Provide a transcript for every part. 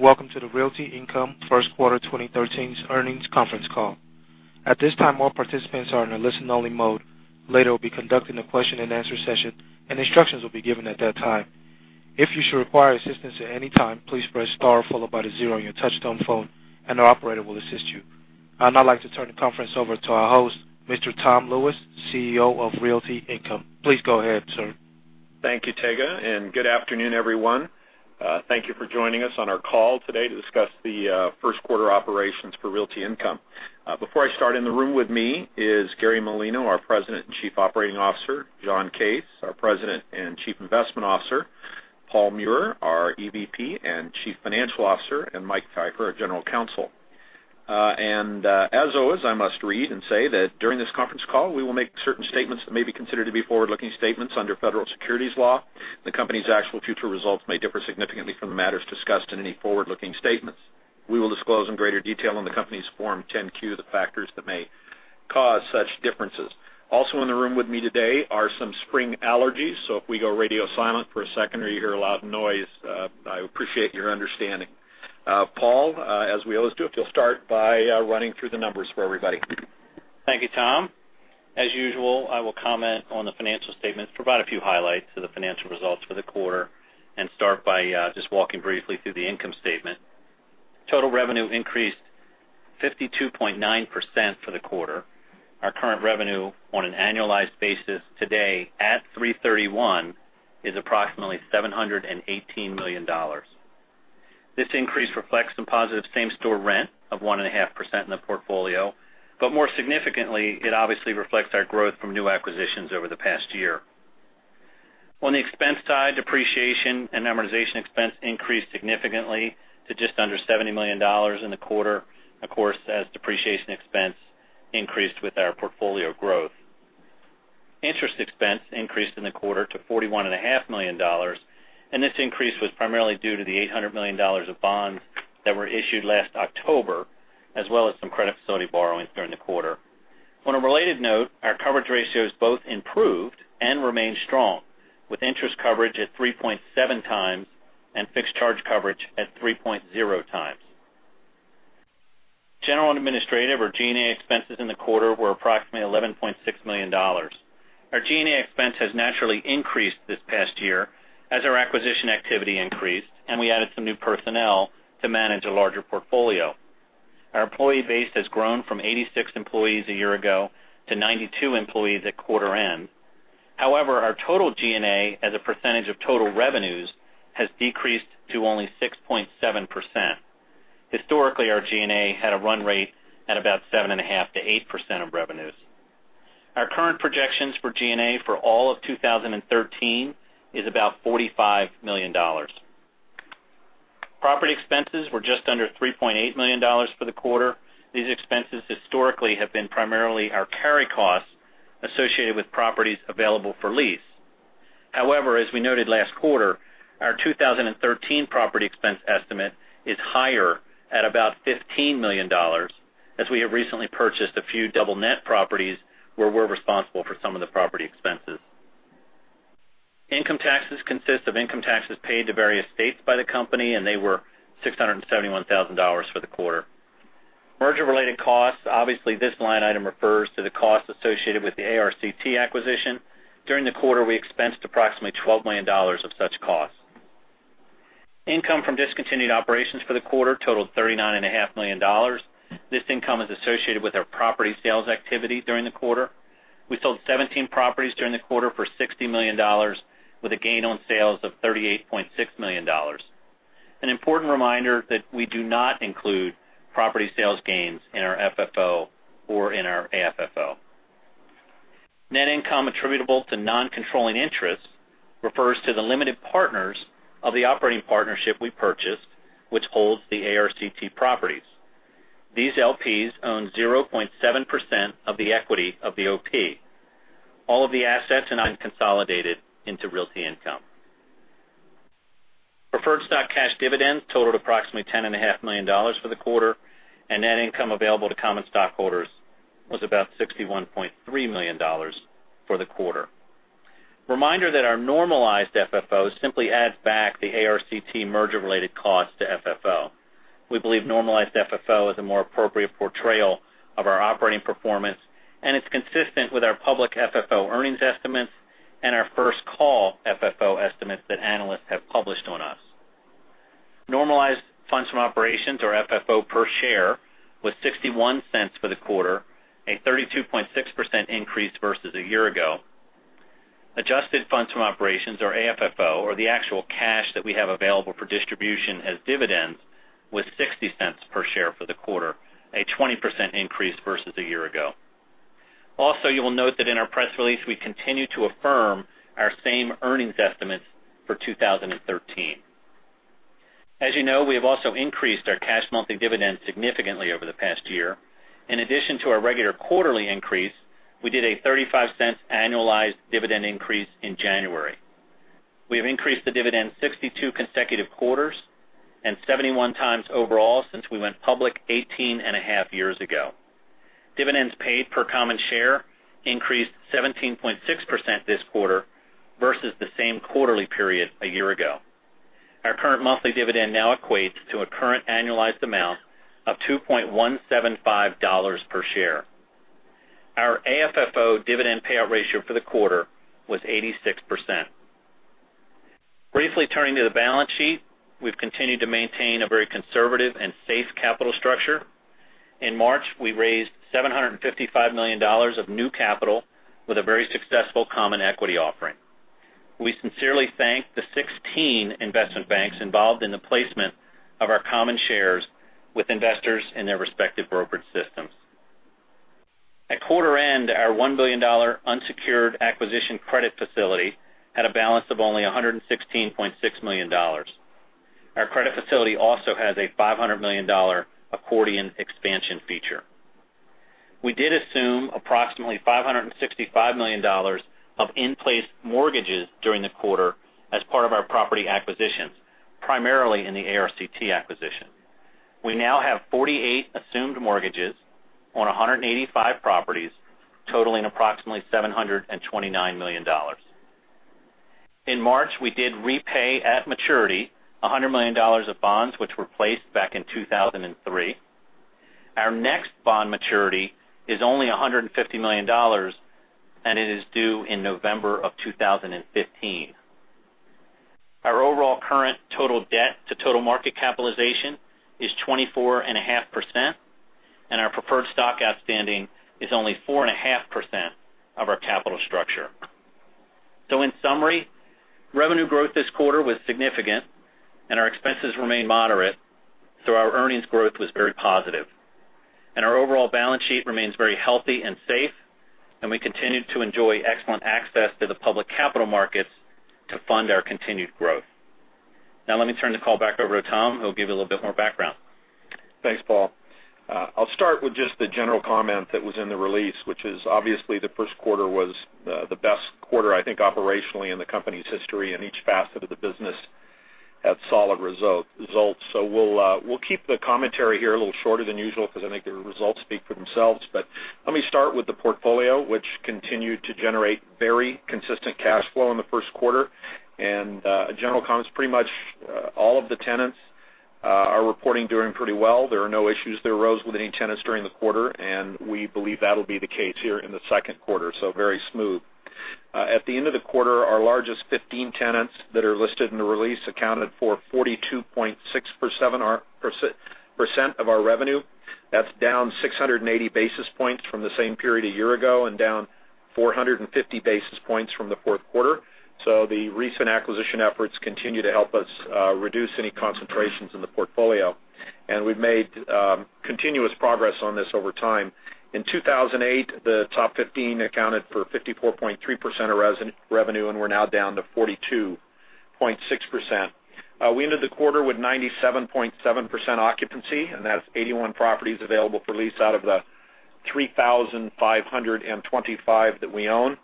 Welcome to the Realty Income First Quarter 2013 Earnings Conference Call. At this time, all participants are in a listen-only mode. Later, we'll be conducting a question-and-answer session, and instructions will be given at that time. If you should require assistance at any time, please press star followed by the zero on your touch-tone phone, and an operator will assist you. I'd now like to turn the conference over to our host, Mr. Tom Lewis, CEO of Realty Income. Please go ahead, sir. Thank you, Tega. Good afternoon, everyone. Thank you for joining us on our call today to discuss the first quarter operations for Realty Income. Before I start, in the room with me is Gary Malino, our President and Chief Operating Officer, John Case, our President and Chief Investment Officer, Paul Meurer, our EVP and Chief Financial Officer, and Mike Pfeiffer, our General Counsel. As always, I must read and say that during this conference call, we will make certain statements that may be considered to be forward-looking statements under federal securities law. The company's actual future results may differ significantly from the matters discussed in any forward-looking statements. We will disclose in greater detail on the company's Form 10-Q the factors that may cause such differences. Also in the room with me today are some spring allergies. If we go radio silent for a second or you hear a loud noise, I appreciate your understanding. Paul, as we always do, if you'll start by running through the numbers for everybody. Thank you, Tom. As usual, I will comment on the financial statements, provide a few highlights of the financial results for the quarter. Start by just walking briefly through the income statement. Total revenue increased 52.9% for the quarter. Our current revenue on an annualized basis today at 331 is approximately $718 million. This increase reflects some positive same-store rent of 1.5% in the portfolio. More significantly, it obviously reflects our growth from new acquisitions over the past year. On the expense side, depreciation and amortization expense increased significantly to just under $70 million in the quarter, of course, as depreciation expense increased with our portfolio growth. Interest expense increased in the quarter to $41.5 million. This increase was primarily due to the $800 million of bonds that were issued last October, as well as some credit facility borrowings during the quarter. On a related note, our coverage ratios both improved and remained strong, with interest coverage at 3.7 times and fixed charge coverage at 3.0 times. General and Administrative or G&A expenses in the quarter were approximately $11.6 million. Our G&A expense has naturally increased this past year as our acquisition activity increased, and we added some new personnel to manage a larger portfolio. Our employee base has grown from 86 employees a year ago to 92 employees at quarter end. However, our total G&A as a percentage of total revenues has decreased to only 6.7%. Historically, our G&A had a run rate at about 7.5%-8% of revenues. Our current projections for G&A for all of 2013 is about $45 million. Property expenses were just under $3.8 million for the quarter. These expenses historically have been primarily our carry costs associated with properties available for lease. However, as we noted last quarter, our 2013 property expense estimate is higher at about $15 million, as we have recently purchased a few double net properties where we're responsible for some of the property expenses. Income taxes consist of income taxes paid to various states by the company. They were $671,000 for the quarter. Merger-related costs, obviously this line item refers to the costs associated with the ARCT acquisition. During the quarter, we expensed approximately $12 million of such costs. Income from discontinued operations for the quarter totaled $39.5 million. This income is associated with our property sales activity during the quarter. We sold 17 properties during the quarter for $60 million, with a gain on sales of $38.6 million. An important reminder that we do not include property sales gains in our FFO or in our AFFO. Net income attributable to non-controlling interests refers to the limited partners of the operating partnership we purchased, which holds the ARCT properties. These LPs own 0.7% of the equity of the OP. All of the assets are unconsolidated into Realty Income. Preferred stock cash dividends totaled approximately $10.5 million for the quarter. Net income available to common stockholders was about $61.3 million for the quarter. Reminder that our normalized FFO simply adds back the ARCT merger-related costs to FFO. We believe normalized FFO is a more appropriate portrayal of our operating performance. It's consistent with our public FFO earnings estimates and our First Call FFO estimates that analysts have published on us. Normalized funds from operations or FFO per share was $0.61 for the quarter, a 32.6% increase versus a year ago. Adjusted funds from operations or AFFO, or the actual cash that we have available for distribution as dividends, was $0.60 per share for the quarter, a 20% increase versus a year ago. You will note that in our press release, we continue to affirm our same earnings estimates for 2013. You know, we have also increased our cash monthly dividend significantly over the past year. In addition to our regular quarterly increase, we did a $0.35 annualized dividend increase in January. We have increased the dividend 62 consecutive quarters and 71 times overall since we went public 18 and a half years ago. Dividends paid per common share increased 17.6% this quarter versus the same quarterly period a year ago. Our current monthly dividend now equates to a current annualized amount of $2.175 per share. Our AFFO dividend payout ratio for the quarter was 86%. Briefly turning to the balance sheet, we've continued to maintain a very conservative and safe capital structure. In March, we raised $755 million of new capital with a very successful common equity offering. We sincerely thank the 16 investment banks involved in the placement of our common shares with investors in their respective brokerage systems. At quarter end, our $1 billion unsecured acquisition credit facility had a balance of only $116.6 million. Our credit facility also has a $500 million accordion expansion feature. We did assume approximately $565 million of in-place mortgages during the quarter as part of our property acquisitions, primarily in the ARCT acquisition. We now have 48 assumed mortgages on 185 properties, totaling approximately $729 million. In March, we did repay, at maturity, $100 million of bonds, which were placed back in 2003. Our next bond maturity is only $150 million. It is due in November of 2015. Our overall current total debt to total market capitalization is 24.5%. Our preferred stock outstanding is only 4.5% of our capital structure. In summary, revenue growth this quarter was significant, and our expenses remained moderate, so our earnings growth was very positive. Our overall balance sheet remains very healthy and safe, and we continue to enjoy excellent access to the public capital markets to fund our continued growth. Now let me turn the call back over to Tom, who'll give you a little bit more background. Thanks, Paul. I'll start with just the general comment that was in the release, which is obviously the first quarter was the best quarter, I think, operationally in the company's history, and each facet of the business had solid results. We'll keep the commentary here a little shorter than usual because I think the results speak for themselves. Let me start with the portfolio, which continued to generate very consistent cash flow in the first quarter. A general comment is pretty much all of the tenants are reporting doing pretty well. There are no issues that arose with any tenants during the quarter, and we believe that'll be the case here in the second quarter, so very smooth. At the end of the quarter, our largest 15 tenants that are listed in the release accounted for 42.6% of our revenue. That's down 680 basis points from the same period a year ago and down 450 basis points from the fourth quarter. The recent acquisition efforts continue to help us reduce any concentrations in the portfolio. We've made continuous progress on this over time. In 2008, the top 15 accounted for 54.3% of revenue, and we're now down to 42.6%. We ended the quarter with 97.7% occupancy, and that's 81 properties available for lease out of the 3,525 that we own.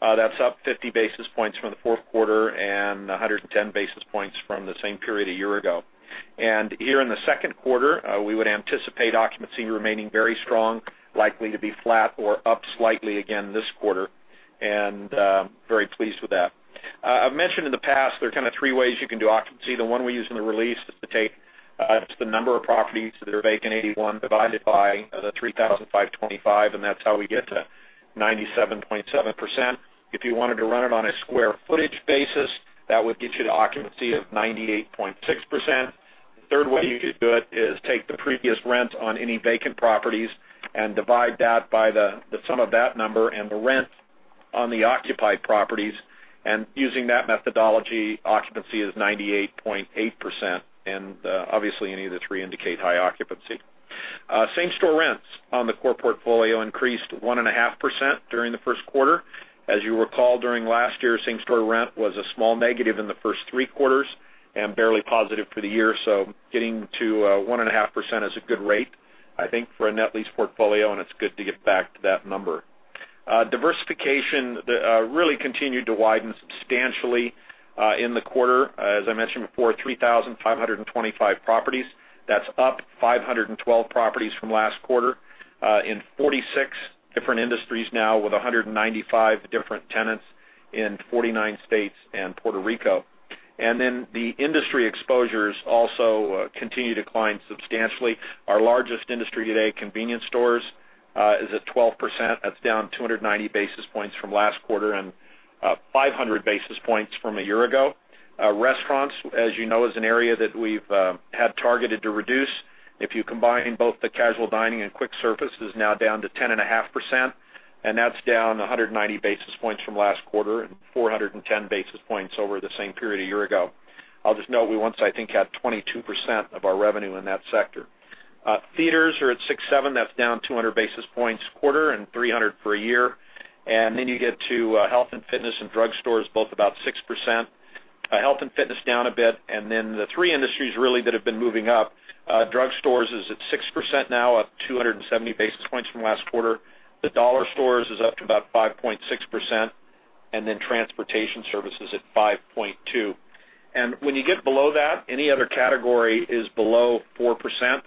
That's up 50 basis points from the fourth quarter and 110 basis points from the same period a year ago. Here in the second quarter, we would anticipate occupancy remaining very strong, likely to be flat or up slightly again this quarter, and very pleased with that. I've mentioned in the past, there are kind of three ways you can do occupancy. The one we use in the release is to take the number of properties that are vacant, 81, divided by the 3,525, and that's how we get to 97.7%. If you wanted to run it on a square footage basis, that would get you to occupancy of 98.6%. The third way you could do it is take the previous rent on any vacant properties and divide that by the sum of that number and the rent on the occupied properties. Using that methodology, occupancy is 98.8%, and obviously any of the three indicate high occupancy. Same-store rents on the core portfolio increased 1.5% during the first quarter. As you recall, during last year, same-store rent was a small negative in the first three quarters and barely positive for the year. Getting to 1.5% is a good rate, I think, for a net lease portfolio, and it's good to get back to that number. Diversification really continued to widen substantially in the quarter. As I mentioned before, 3,525 properties. That's up 512 properties from last quarter in 46 different industries now with 195 different tenants in 49 states and Puerto Rico. The industry exposures also continue to decline substantially. Our largest industry today, convenience stores, is at 12%. That's down 290 basis points from last quarter and 500 basis points from a year ago. Restaurants, as you know, is an area that we've had targeted to reduce. If you combine both the casual dining and quick service, it is now down to 10.5%, and that's down 190 basis points from last quarter and 410 basis points over the same period a year ago. I'll just note, we once, I think, had 22% of our revenue in that sector. Theaters are at 6.7%. That's down 200 basis points quarter and 300 basis points for a year. Then you get to health and fitness and drugstores, both about 6%. Health and fitness down a bit. Then the three industries really that have been moving up, drugstores is at 6% now, up 270 basis points from last quarter. The dollar stores is up to about 5.6%. Then transportation services at 5.2%. When you get below that, any other category is below 4%,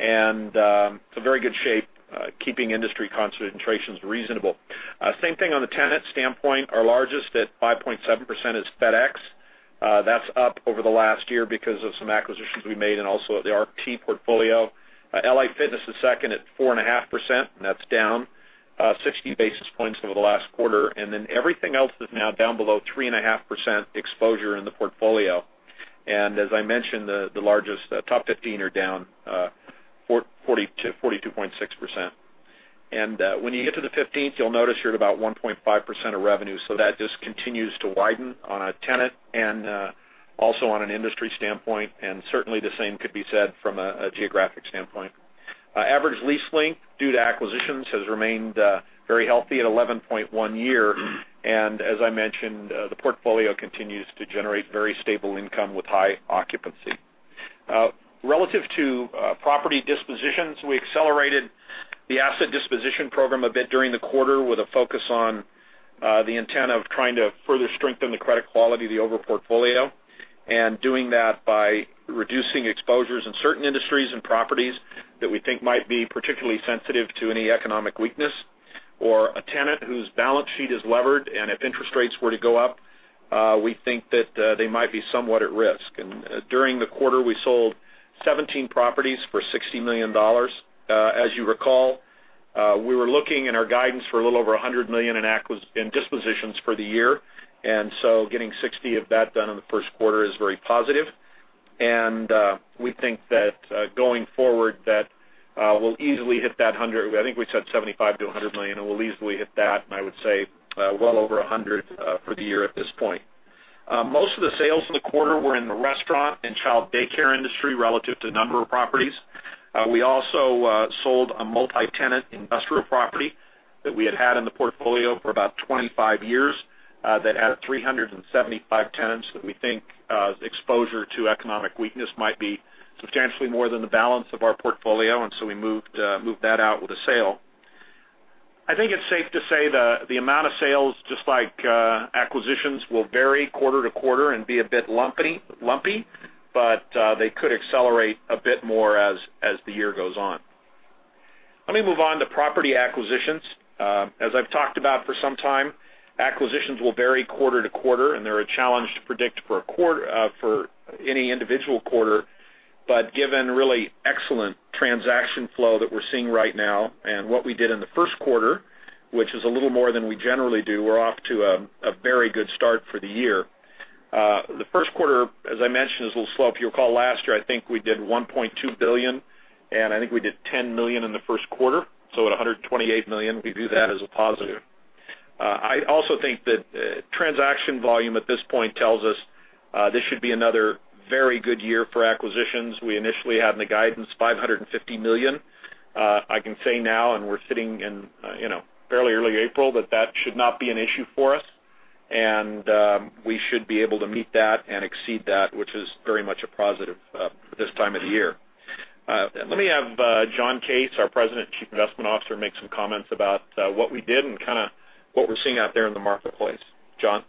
and it's a very good shape, keeping industry concentrations reasonable. Same thing on the tenant standpoint. Our largest at 5.7% is FedEx. That's up over the last year because of some acquisitions we made and also the ARCT portfolio. LA Fitness is second at 4.5%, and that's down 60 basis points over the last quarter. Then everything else is now down below 3.5% exposure in the portfolio. As I mentioned, the largest top 15 are down to 42.6%. When you get to the 15th, you'll notice you're at about 1.5% of revenue. That just continues to widen on a tenant and also on an industry standpoint. Certainly, the same could be said from a geographic standpoint. Average lease length due to acquisitions has remained very healthy at 11.1 years. As I mentioned, the portfolio continues to generate very stable income with high occupancy. Relative to property dispositions, we accelerated the asset disposition program a bit during the quarter with a focus on the intent of trying to further strengthen the credit quality of the overall portfolio and doing that by reducing exposures in certain industries and properties that we think might be particularly sensitive to any economic weakness or a tenant whose balance sheet is levered. If interest rates were to go up, we think that they might be somewhat at risk. During the quarter, we sold 17 properties for $60 million. As you recall, we were looking in our guidance for a little over $100 million in dispositions for the year. Getting 60 of that done in the first quarter is very positive. We think that going forward, that we'll easily hit that 100. I think we said $75 million-$100 million. We'll easily hit that. I would say well over 100 for the year at this point. Most of the sales in the quarter were in the restaurant and child daycare industry relative to number of properties. We also sold a multi-tenant industrial property that we had had in the portfolio for about 25 years that had 375 tenants that we think exposure to economic weakness might be substantially more than the balance of our portfolio. We moved that out with a sale. I think it's safe to say the amount of sales, just like acquisitions, will vary quarter to quarter and be a bit lumpy, but they could accelerate a bit more as the year goes on. Let me move on to property acquisitions. As I've talked about for some time, acquisitions will vary quarter to quarter. They're a challenge to predict for any individual quarter. Given really excellent transaction flow that we're seeing right now and what we did in the first quarter, which is a little more than we generally do, we're off to a very good start for the year. The first quarter, as I mentioned, is a little slow. If you'll recall last year, I think we did $1.2 billion. I think we did $10 million in the first quarter. At $128 million, we view that as a positive. I also think that transaction volume at this point tells us this should be another very good year for acquisitions. We initially had in the guidance $550 million. I can say now. We're sitting in fairly early April, that that should not be an issue for us. We should be able to meet that and exceed that, which is very much a positive for this time of the year. Let me have John Case, our President and Chief Investment Officer, make some comments about what we did and kind of what we're seeing out there in the marketplace. John?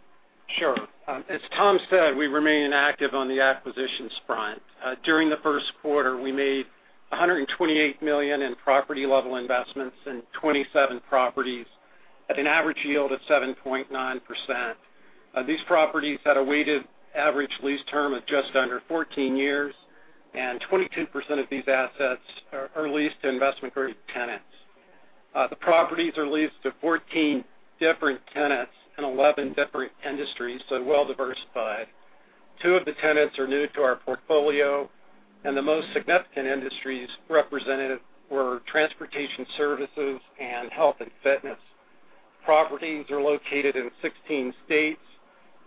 Sure. As Tom said, we remain active on the acquisitions front. During the first quarter, we made $128 million in property-level investments in 27 properties at an average yield of 7.9%. These properties had a weighted average lease term of just under 14 years, and 22% of these assets are leased to investment-grade tenants. The properties are leased to 14 different tenants in 11 different industries, so well-diversified. Two of the tenants are new to our portfolio, and the most significant industries represented were transportation services and health and fitness. Properties are located in 16 states,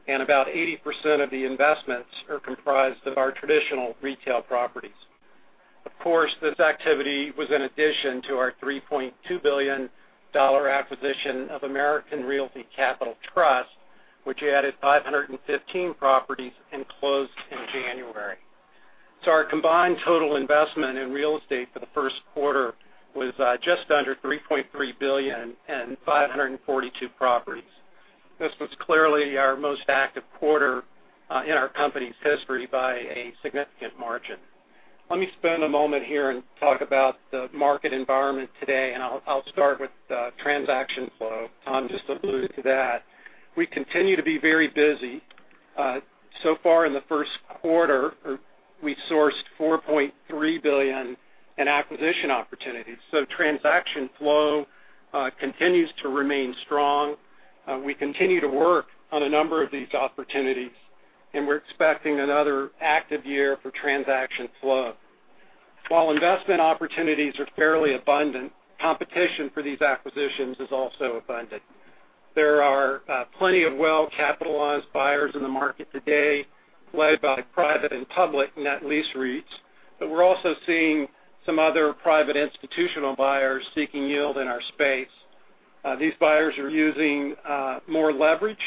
and about 80% of the investments are comprised of our traditional retail properties. Of course, this activity was in addition to our $3.2 billion acquisition of American Realty Capital Trust, which added 515 properties and closed in January. Our combined total investment in real estate for the first quarter was just under $3.3 billion and 542 properties. This was clearly our most active quarter in our company's history by a significant margin. Let me spend a moment here and talk about the market environment today, and I'll start with transaction flow. Tom just alluded to that. We continue to be very busy. Far in the first quarter, we sourced $4.3 billion in acquisition opportunities. Transaction flow continues to remain strong. We continue to work on a number of these opportunities, and we're expecting another active year for transaction flow. While investment opportunities are fairly abundant, competition for these acquisitions is also abundant. There are plenty of well-capitalized buyers in the market today, led by private and public net lease REITs, but we're also seeing some other private institutional buyers seeking yield in our space. These buyers are using more leverage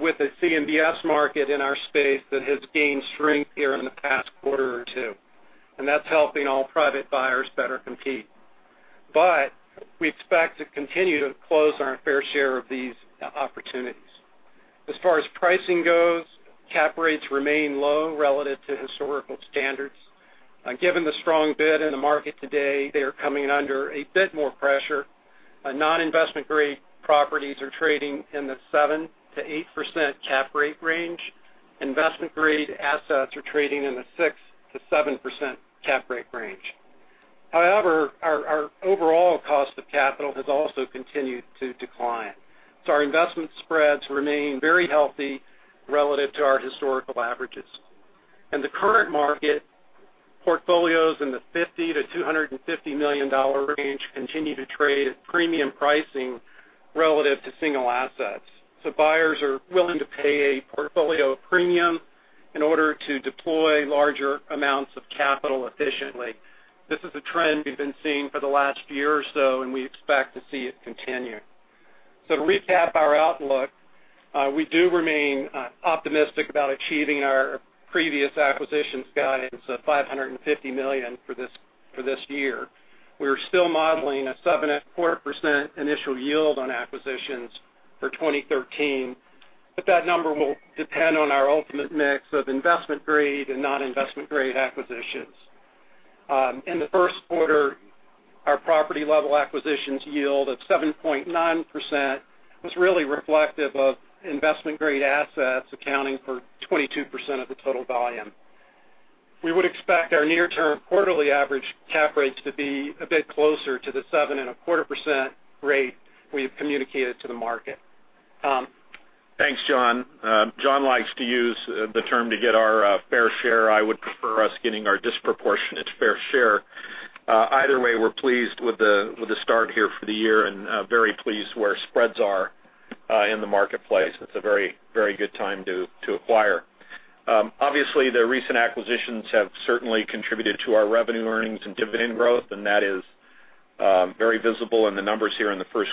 with the CMBS market in our space that has gained strength here in the past quarter or two, and that's helping all private buyers better compete. We expect to continue to close on our fair share of these opportunities. As far as pricing goes, cap rates remain low relative to historical standards. Given the strong bid in the market today, they are coming under a bit more pressure. Non-investment grade properties are trading in the 7%-8% cap rate range. Investment-grade assets are trading in the 6%-7% cap rate range. However, our overall cost of capital has also continued to decline. Our investment spreads remain very healthy relative to our historical averages. In the current market, portfolios in the $50 million-$250 million range continue to trade at premium pricing relative to single assets. Buyers are willing to pay a portfolio premium in order to deploy larger amounts of capital efficiently. This is a trend we've been seeing for the last year or so, and we expect to see it continue. To recap our outlook, we do remain optimistic about achieving our previous acquisitions guidance of $550 million for this year. We're still modeling a 7.25% initial yield on acquisitions for 2013, but that number will depend on our ultimate mix of investment-grade and non-investment-grade acquisitions. In the first quarter, our property-level acquisitions yield of 7.9% was really reflective of investment-grade assets accounting for 22% of the total volume. We would expect our near-term quarterly average cap rates to be a bit closer to the 7.25% rate we've communicated to the market. Tom? Thanks, John. John likes to use the term to get our fair share. I would prefer us getting our disproportionate fair share. Either way, we're pleased with the start here for the year and very pleased where spreads are in the marketplace. It's a very good time to acquire. Obviously, the recent acquisitions have certainly contributed to our revenue earnings and dividend growth, and that is very visible in the numbers here in the first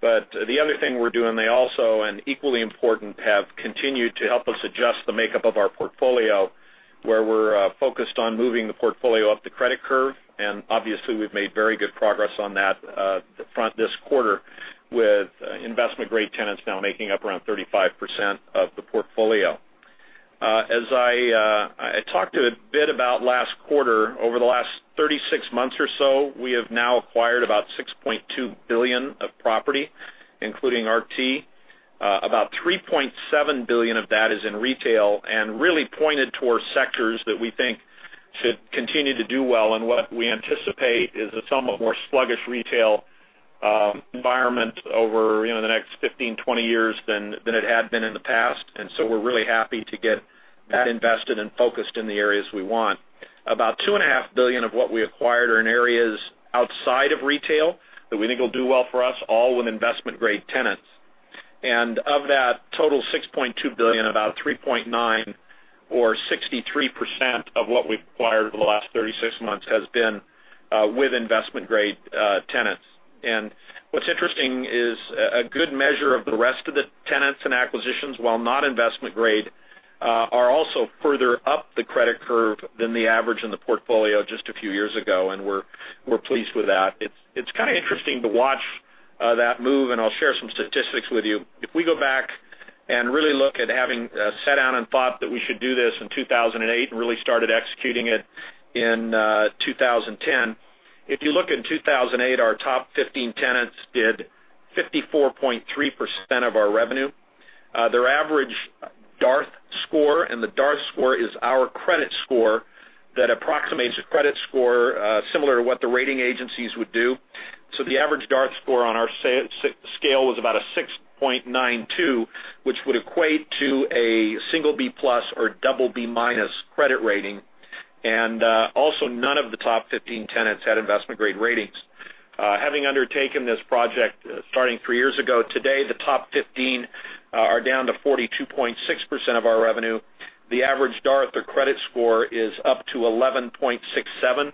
quarter. The other thing we're doing, they also, and equally important, have continued to help us adjust the makeup of our portfolio, where we're focused on moving the portfolio up the credit curve. Obviously, we've made very good progress on that front this quarter with investment-grade tenants now making up around 35% of the portfolio. As I talked a bit about last quarter, over the last 36 months or so, we have now acquired about $6.2 billion of property, including ARCT. About $3.7 billion of that is in retail and really pointed towards sectors that we think should continue to do well in what we anticipate is a somewhat more sluggish retail environment over the next 15-20 years than it had been in the past. We're really happy to get that invested and focused in the areas we want. About $2.5 billion of what we acquired are in areas outside of retail that we think will do well for us, all with investment-grade tenants. Of that total $6.2 billion, about $3.9 or 63% of what we've acquired over the last 36 months has been with investment-grade tenants. What's interesting is a good measure of the rest of the tenants and acquisitions, while not investment grade, are also further up the credit curve than the average in the portfolio just a few years ago, and we're pleased with that. It's kind of interesting to watch that move, and I'll share some statistics with you. If we go back and really look at having sat down and thought that we should do this in 2008 and really started executing it in 2010, if you look in 2008, our top 15 tenants did 54.3% of our revenue. Their average DART score, and the DART score is our credit score that approximates a credit score similar to what the rating agencies would do. The average DART score on our scale was about a 6.92, which would equate to a single B+ or double B- credit rating. Also, none of the top 15 tenants had investment-grade ratings. Having undertaken this project starting three years ago, today, the top 15 are down to 42.6% of our revenue. The average DART, their credit score, is up to 11.67.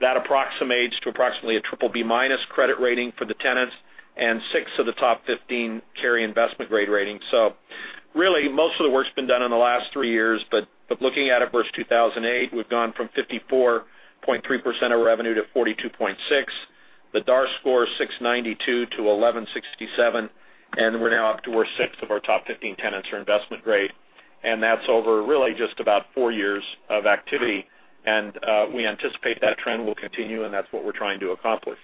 That approximates to approximately a triple B- credit rating for the tenants, and six of the top 15 carry investment-grade ratings. Really, most of the work's been done in the last three years. Looking at it versus 2008, we've gone from 54.3% of revenue to 42.6%. The DART score is 692 to 1167, and we're now up to where six of our top 15 tenants are investment-grade. That's over really just about four years of activity. We anticipate that trend will continue, and that's what we're trying to accomplish.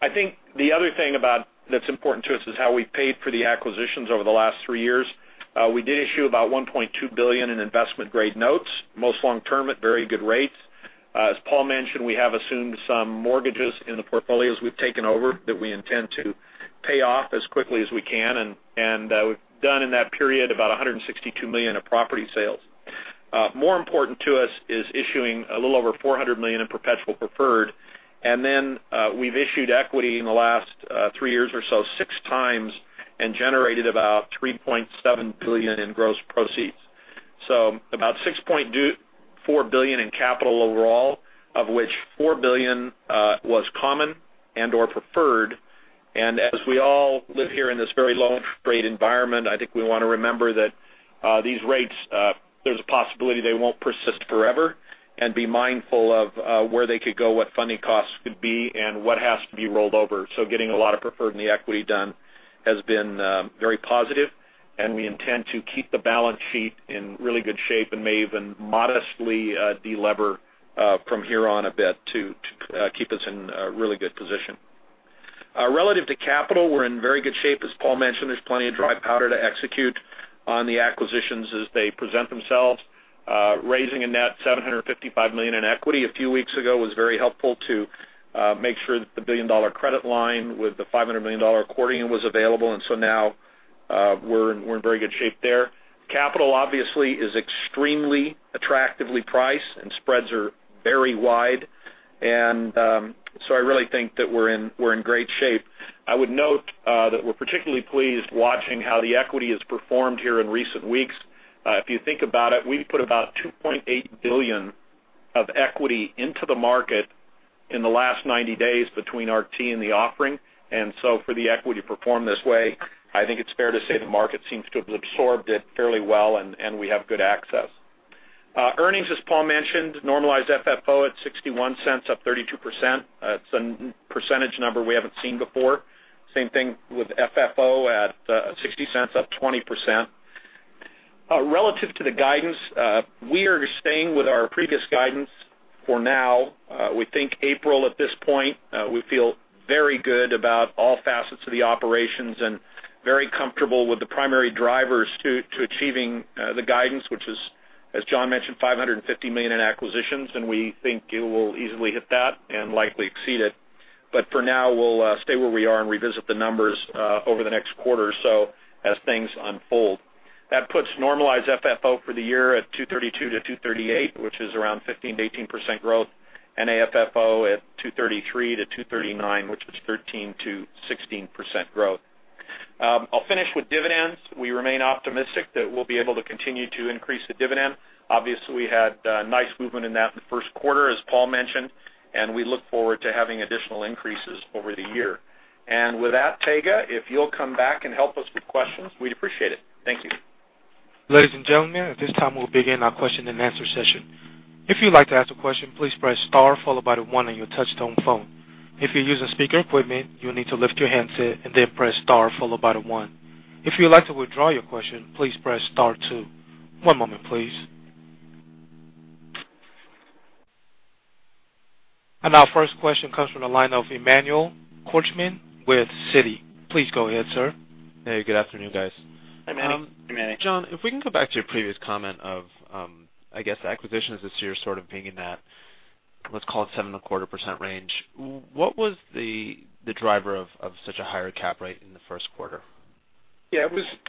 I think the other thing that's important to us is how we paid for the acquisitions over the last three years. We did issue about $1.2 billion in investment-grade notes, most long-term at very good rates. As Paul mentioned, we have assumed some mortgages in the portfolios we've taken over that we intend to pay off as quickly as we can. We've done in that period about $162 million of property sales. More important to us is issuing a little over $400 million in perpetual preferred. We've issued equity in the last three years or so six times and generated about $3.7 billion in gross proceeds. About $6.4 billion in capital overall, of which $4 billion was common and/or preferred. As we all live here in this very low interest rate environment, I think we want to remember that these rates, there's a possibility they won't persist forever, and be mindful of where they could go, what funding costs could be, and what has to be rolled over. Getting a lot of preferred and the equity done has been very positive, and we intend to keep the balance sheet in really good shape and may even modestly de-lever from here on a bit to keep us in a really good position. Relative to capital, we're in very good shape. As Paul mentioned, there's plenty of dry powder to execute on the acquisitions as they present themselves. Raising a net $755 million in equity a few weeks ago was very helpful to make sure that the billion-dollar credit line with the $500 million accordion was available, now we're in very good shape there. Capital obviously is extremely attractively priced, and spreads are very wide. I really think that we're in great shape. I would note that we're particularly pleased watching how the equity has performed here in recent weeks. If you think about it, we put about $2.8 billion of equity into the market in the last 90 days between ARCT and the offering. For the equity to perform this way, I think it's fair to say the market seems to have absorbed it fairly well, and we have good access. Earnings, as Paul mentioned, normalized FFO at $0.61, up 32%. It's a percentage number we haven't seen before. Same thing with FFO at $0.60, up 20%. Relative to the guidance, we are staying with our previous guidance for now. We think April, at this point, we feel very good about all facets of the operations and very comfortable with the primary drivers to achieving the guidance, which is, as John mentioned, $550 million in acquisitions, and we think you will easily hit that and likely exceed it. For now, we'll stay where we are and revisit the numbers over the next quarter or so as things unfold. That puts normalized FFO for the year at $2.32-$2.38, which is around 15%-18% growth, and AFFO at $2.33-$2.39, which is 13%-16% growth. I'll finish with dividends. We remain optimistic that we'll be able to continue to increase the dividend. Obviously, we had nice movement in that in the first quarter, as Paul mentioned. We look forward to having additional increases over the year. With that, Tega, if you'll come back and help us with questions, we'd appreciate it. Thank you. Ladies and gentlemen, at this time, we'll begin our question and answer session. If you'd like to ask a question, please press star followed by the one on your touch-tone phone. If you're using speaker equipment, you'll need to lift your handset and then press star followed by the one. If you'd like to withdraw your question, please press star two. One moment, please. Our first question comes from the line of Emmanuel Korchman with Citi. Please go ahead, sir. Hey, good afternoon, guys. Hi, Manny. Hi, Manny. John, if we can go back to your previous comment of, I guess, acquisitions this year sort of being in that, let's call it 7.25% range. What was the driver of such a higher cap rate in the first quarter? Yeah.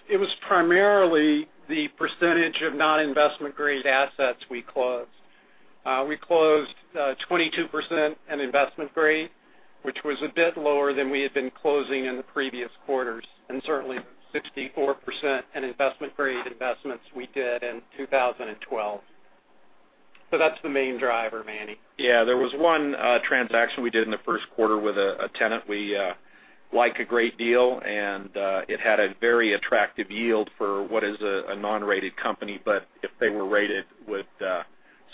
It was primarily the percentage of non-investment grade assets we closed. We closed 22% in investment grade, which was a bit lower than we had been closing in the previous quarters, and certainly 64% in investment grade investments we did in 2012. That's the main driver, Manny. Yeah. There was one transaction we did in the first quarter with a tenant we like a great deal. It had a very attractive yield for what is a non-rated company, but if they were rated, would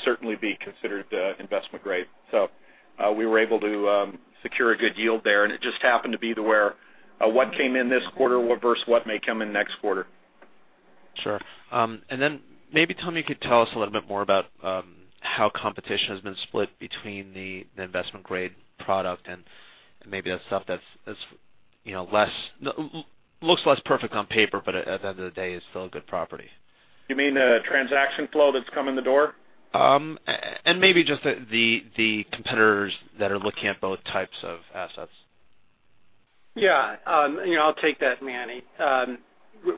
certainly be considered investment grade. We were able to secure a good yield there, and it just happened to be what came in this quarter versus what may come in next quarter. Sure. Maybe, Tom, you could tell us a little bit more about how competition has been split between the investment-grade product and maybe the stuff that looks less perfect on paper, but at the end of the day is still a good property. You mean the transaction flow that's come in the door? Maybe just the competitors that are looking at both types of assets. Yeah. I'll take that, Manny.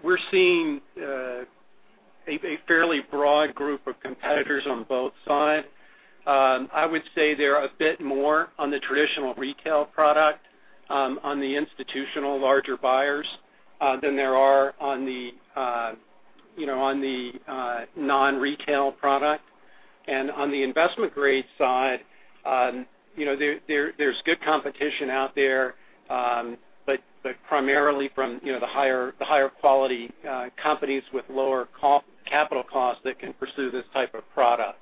We're seeing a fairly broad group of competitors on both sides. I would say they're a bit more on the traditional retail product, on the institutional larger buyers, than there are on the non-retail product. On the investment grade side, there's good competition out there, but primarily from the higher quality companies with lower capital costs that can pursue this type of product.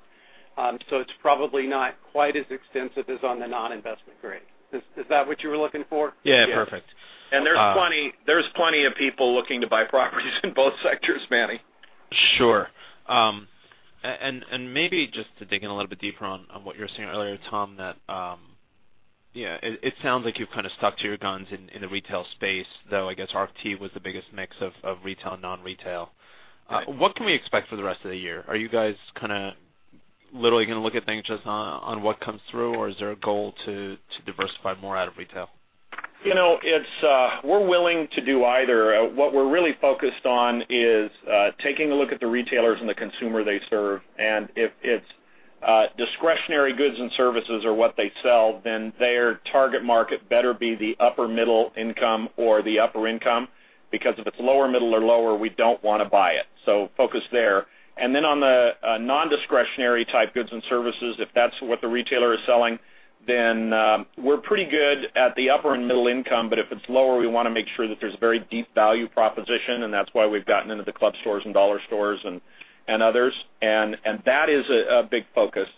It's probably not quite as extensive as on the non-investment grade. Is that what you were looking for? Yeah, perfect. There's plenty of people looking to buy properties in both sectors, Manny. Sure. Maybe just to dig in a little bit deeper on what you were saying earlier, Tom, that it sounds like you've kind of stuck to your guns in the retail space, though, I guess ARCT was the biggest mix of retail and non-retail. What can we expect for the rest of the year? Are you guys kind of literally going to look at things just on what comes through, or is there a goal to diversify more out of retail? We're willing to do either. What we're really focused on is taking a look at the retailers and the consumer they serve, and if it's discretionary goods and services are what they sell, then their target market better be the upper middle income or the upper income, because if it's lower middle or lower, we don't want to buy it. Focus there. On the non-discretionary type goods and services, if that's what the retailer is selling Then we're pretty good at the upper and middle income, but if it's lower, we want to make sure that there's very deep value proposition, and that's why we've gotten into the club stores and dollar stores and others. That is a big focus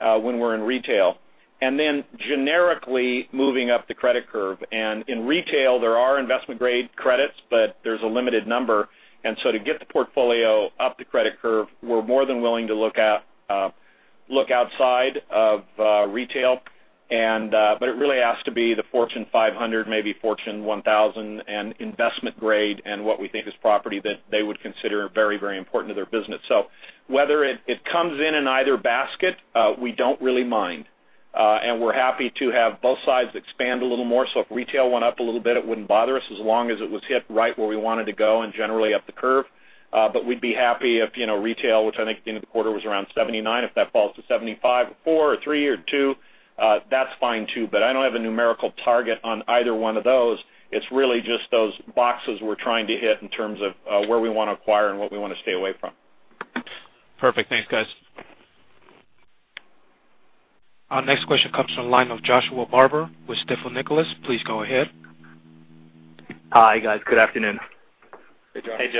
when we're in retail. Generically moving up the credit curve. In retail, there are investment-grade credits, but there's a limited number. To get the portfolio up the credit curve, we're more than willing to look outside of retail, it really has to be the Fortune 500, maybe Fortune 1000, and investment-grade, and what we think is property that they would consider very important to their business. Whether it comes in in either basket, we don't really mind. We're happy to have both sides expand a little more. If retail went up a little bit, it wouldn't bother us as long as it was hit right where we wanted to go and generally up the curve. We'd be happy if retail, which I think at the end of the quarter was around 79, if that falls to 75 or 74 or 73 or 72, that's fine too. I don't have a numerical target on either one of those. It's really just those boxes we're trying to hit in terms of where we want to acquire and what we want to stay away from. Perfect. Thanks, guys. Our next question comes from the line of Joshua Barber with Stifel Nicolaus. Please go ahead. Hi, guys. Good afternoon. Hey, Josh. Hey,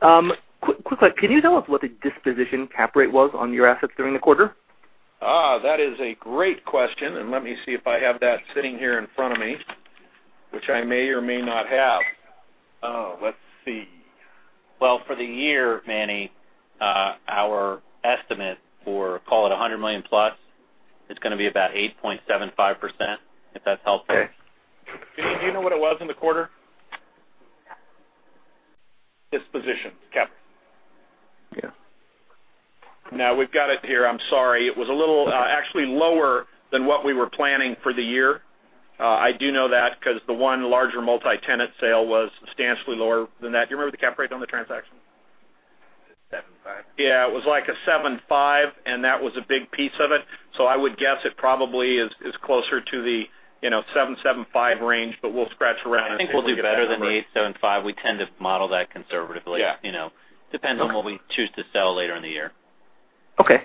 Josh. Quickly, can you tell us what the disposition cap rate was on your assets during the quarter? That is a great question, and let me see if I have that sitting here in front of me, which I may or may not have. Let's see. Well, for the year, Manny, our estimate for, call it $100 million-plus, it's going to be about 8.75%, if that's helpful. Do you know what it was in the quarter? Disposition cap. Yeah. No, we've got it here. I'm sorry. It was a little actually lower than what we were planning for the year. I do know that because the one larger multi-tenant sale was substantially lower than that. Do you remember the cap rate on the transaction? 7.5. Yeah, it was like a 7.5, and that was a big piece of it. I would guess it probably is closer to the 7.75 range, but we'll scratch around and see if we get that number. I think we'll do better than the 8.75. We tend to model that conservatively. Yeah. Depends on what we choose to sell later in the year. Okay.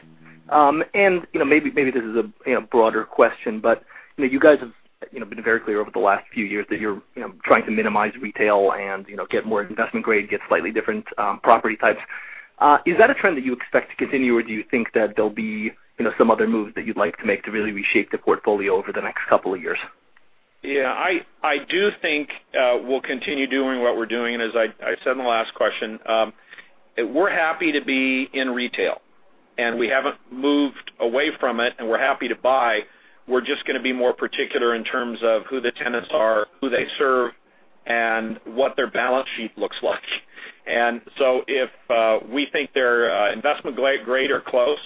Maybe this is a broader question, but you guys have been very clear over the last few years that you're trying to minimize retail and get more investment-grade, get slightly different property types. Is that a trend that you expect to continue, or do you think that there'll be some other moves that you'd like to make to really reshape the portfolio over the next couple of years? Yeah, I do think we'll continue doing what we're doing. As I said in the last question, we're happy to be in retail. We haven't moved away from it. We're happy to buy. We're just going to be more particular in terms of who the tenants are, who they serve, and what their balance sheet looks like. If we think they're investment-grade or close,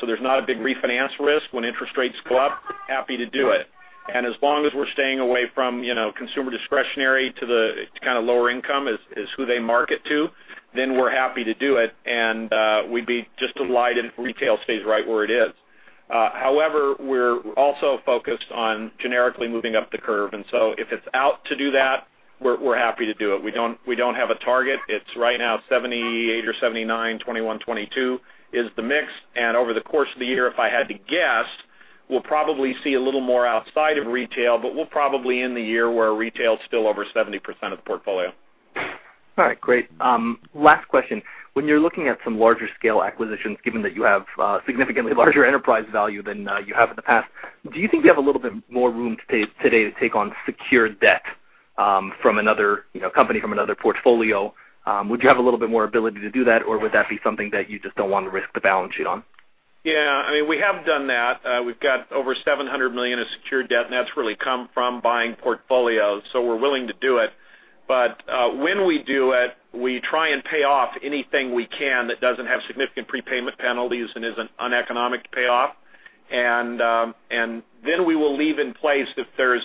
so there's not a big refinance risk when interest rates go up, happy to do it. As long as we're staying away from consumer discretionary to the kind of lower income is who they market to, then we're happy to do it. We'd be just delighted if retail stays right where it is. However, we're also focused on generically moving up the curve, if it's out to do that, we're happy to do it. We don't have a target. It's right now 78% or 79%, 21%, 22% is the mix. Over the course of the year, if I had to guess, we'll probably see a little more outside of retail, but we'll probably end the year where retail is still over 70% of the portfolio. All right, great. Last question. When you're looking at some larger-scale acquisitions, given that you have significantly larger enterprise value than you have in the past, do you think you have a little bit more room today to take on secured debt from another company, from another portfolio? Would you have a little bit more ability to do that, or would that be something that you just don't want to risk the balance sheet on? Yeah, we have done that. We've got over $700 million of secured debt, and that's really come from buying portfolios. We're willing to do it. When we do it, we try and pay off anything we can that doesn't have significant prepayment penalties and is an uneconomic payoff. We will leave in place if there's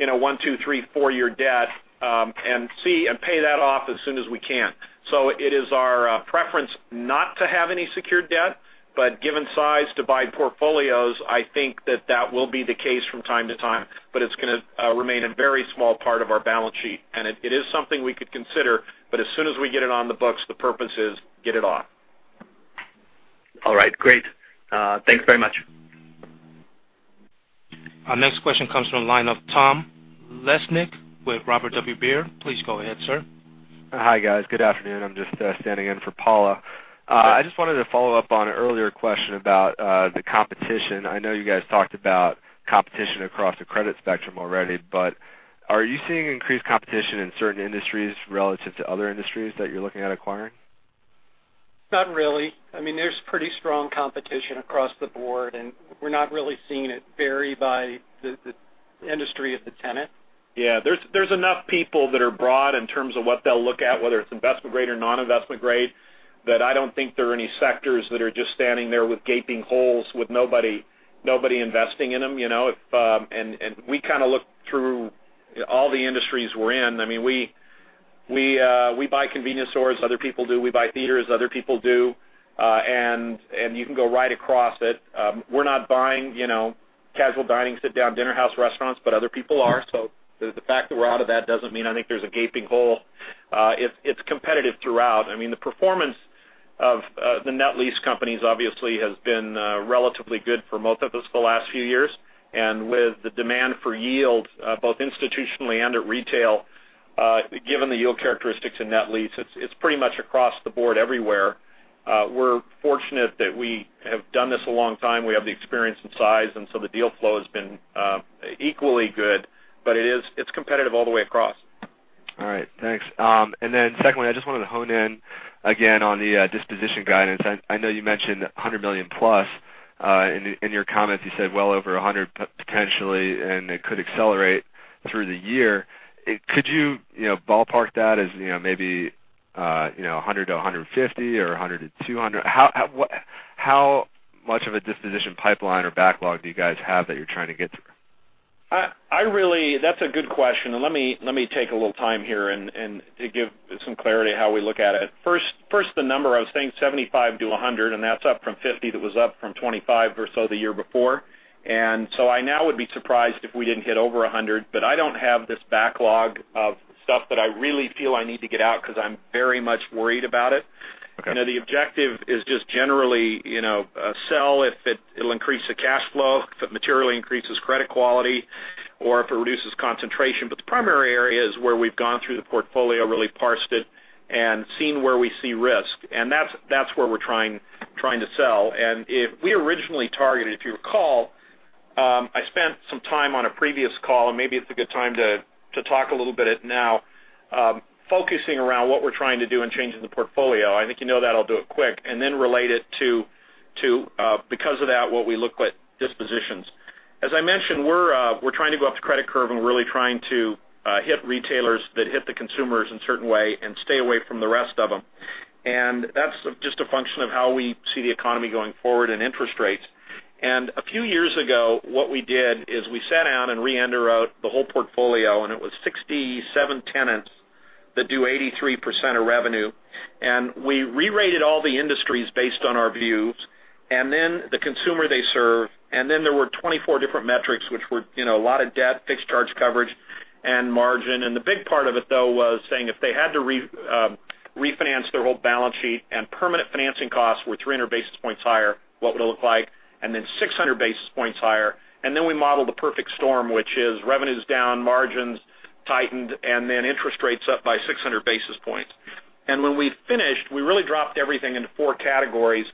one, two, three, four year debt, and pay that off as soon as we can. It is our preference not to have any secured debt, but given size to buy portfolios, I think that that will be the case from time to time. It's going to remain a very small part of our balance sheet. It is something we could consider, but as soon as we get it on the books, the purpose is get it off. All right, great. Thanks very much. Our next question comes from the line of Tom Lesnik with Robert W. Baird. Please go ahead, sir. Hi, guys. Good afternoon. I'm just standing in for Paula. I just wanted to follow up on an earlier question about the competition. I know you guys talked about competition across the credit spectrum already, are you seeing increased competition in certain industries relative to other industries that you're looking at acquiring? Not really. There's pretty strong competition across the board, we're not really seeing it vary by the industry of the tenant. Yeah. There's enough people that are broad in terms of what they'll look at, whether it's investment-grade or non-investment grade, that I don't think there are any sectors that are just standing there with gaping holes, with nobody investing in them. We kind of look through all the industries we're in. We buy convenience stores, other people do. We buy theaters, other people do. You can go right across it. We're not buying casual dining, sit-down dinner house restaurants, other people are. The fact that we're out of that doesn't mean I think there's a gaping hole. It's competitive throughout. The performance of the net lease companies obviously has been relatively good for most of us for the last few years. With the demand for yield, both institutionally and at retail, given the yield characteristics in net lease, it's pretty much across the board everywhere. We're fortunate that we have done this a long time. We have the experience and size, the deal flow has been equally good, but it's competitive all the way across. All right, thanks. Secondly, I just wanted to hone in again on the disposition guidance. I know you mentioned $100 million+. In your comments, you said well over 100 potentially, it could accelerate through the year. Could you ballpark that as maybe, $100 million-$150 million or $100 million-$200 million? How much of a disposition pipeline or backlog do you guys have that you're trying to get through? That's a good question. Let me take a little time here to give some clarity how we look at it. First, the number, I was saying $75 million-$100 million, that's up from $50 million, that was up from $25 million or so the year before. I now would be surprised if we didn't hit over 100, but I don't have this backlog of stuff that I really feel I need to get out because I'm very much worried about it. Okay. The objective is just generally, sell if it'll increase the cash flow, if it materially increases credit quality, or if it reduces concentration. The primary area is where we've gone through the portfolio, really parsed it, and seen where we see risk. That's where we're trying to sell. We originally targeted, if you recall, I spent some time on a previous call, maybe it's a good time to talk a little bit now, focusing around what we're trying to do in changing the portfolio. I think you know that, I'll do it quick, then relate it to, because of that, what we look at dispositions. I mentioned, we're trying to go up the credit curve and really trying to hit retailers that hit the consumers in a certain way and stay away from the rest of them. That's just a function of how we see the economy going forward and interest rates. A few years ago, what we did is we sat down and re-underwrote the whole portfolio, it was 67 tenants that do 83% of revenue. We re-rated all the industries based on our views, then the consumer they serve, then there were 24 different metrics, which were a lot of debt, fixed charge coverage, and margin. The big part of it, though, was saying if they had to refinance their whole balance sheet and permanent financing costs were 300 basis points higher, what would it look like? Then 600 basis points higher. Then we modeled the perfect storm, which is revenues down, margins tightened, then interest rates up by 600 basis points. When we finished, we really dropped everything into four categories.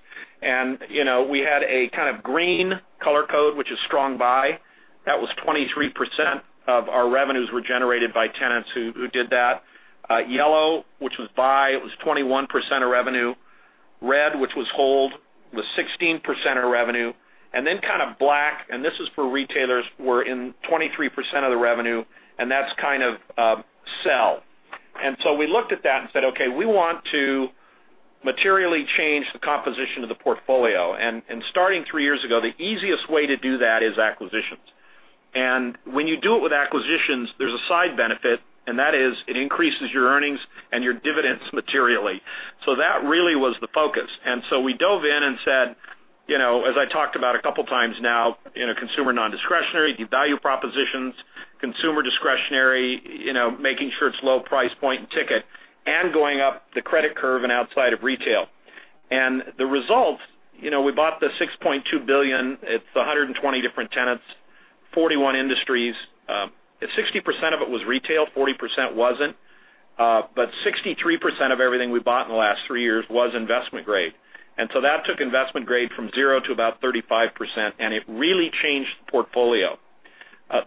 We had a kind of green color code, which is strong buy. That was 23% of our revenues were generated by tenants who did that. Yellow, which was buy, it was 21% of revenue. Red, which was hold, was 16% of revenue. Then kind of black, this is for retailers, were in 23% of the revenue, that's kind of sell. We looked at that and said, "Okay, we want to materially change the composition of the portfolio." Starting three years ago, the easiest way to do that is acquisitions. When you do it with acquisitions, there's a side benefit, that is it increases your earnings and your dividends materially. That really was the focus. We dove in and said, as I talked about a couple times now, in a consumer non-discretionary, devalue propositions, consumer discretionary, making sure it's low price point and ticket, and going up the credit curve and outside of retail. The result, we bought the $6.2 billion. It's 120 different tenants, 41 industries. 60% of it was retail, 40% wasn't. 63% of everything we bought in the last three years was investment grade. That took investment grade from zero to about 35%, it really changed the portfolio.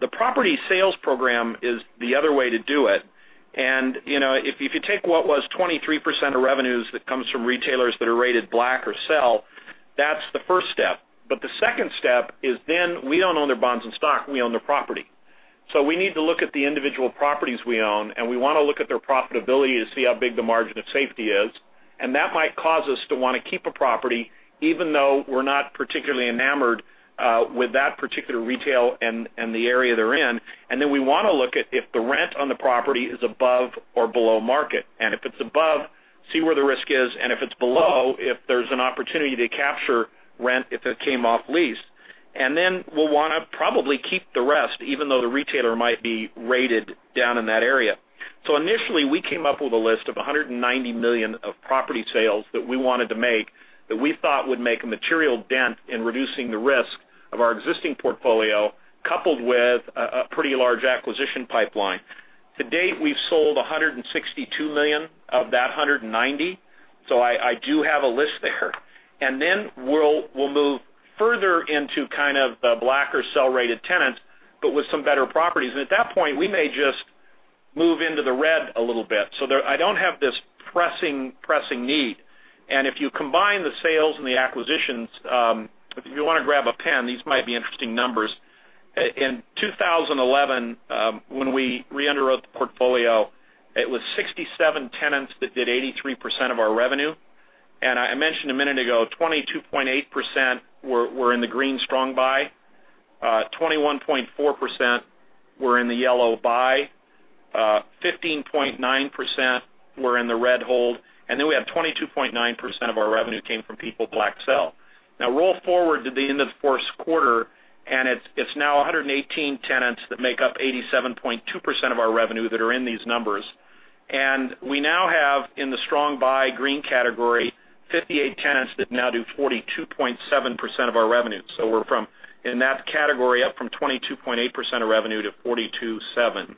The property sales program is the other way to do it. If you take what was 23% of revenues that comes from retailers that are rated black or sell, that's the first step. The second step is then we don't own their bonds and stock, we own their property. We need to look at the individual properties we own, we want to look at their profitability to see how big the margin of safety is. That might cause us to want to keep a property, even though we're not particularly enamored with that particular retail and the area they're in. We want to look at if the rent on the property is above or below market. If it's above, see where the risk is, if it's below, if there's an opportunity to capture rent if it came off lease. We'll want to probably keep the rest, even though the retailer might be rated down in that area. Initially, we came up with a list of $190 million of property sales that we wanted to make, that we thought would make a material dent in reducing the risk of our existing portfolio, coupled with a pretty large acquisition pipeline. To date, we've sold $162 million of that 190. I do have a list there. Then we'll move further into kind of the black or sell-rated tenants, but with some better properties. At that point, we may just move into the red a little bit. I don't have this pressing need. If you combine the sales and the acquisitions, if you want to grab a pen, these might be interesting numbers. In 2011, when we re-underwrote the portfolio, it was 67 tenants that did 83% of our revenue. I mentioned a minute ago, 22.8% were in the green strong buy. 21.4% were in the yellow buy, 15.9% were in the red hold, then we had 22.9% of our revenue came from people black sell. Roll forward to the end of the first quarter, it's now 118 tenants that make up 87.2% of our revenue that are in these numbers. We now have, in the strong buy green category, 58 tenants that now do 42.7% of our revenue. We're from, in that category, up from 22.8% of revenue to 42.7%.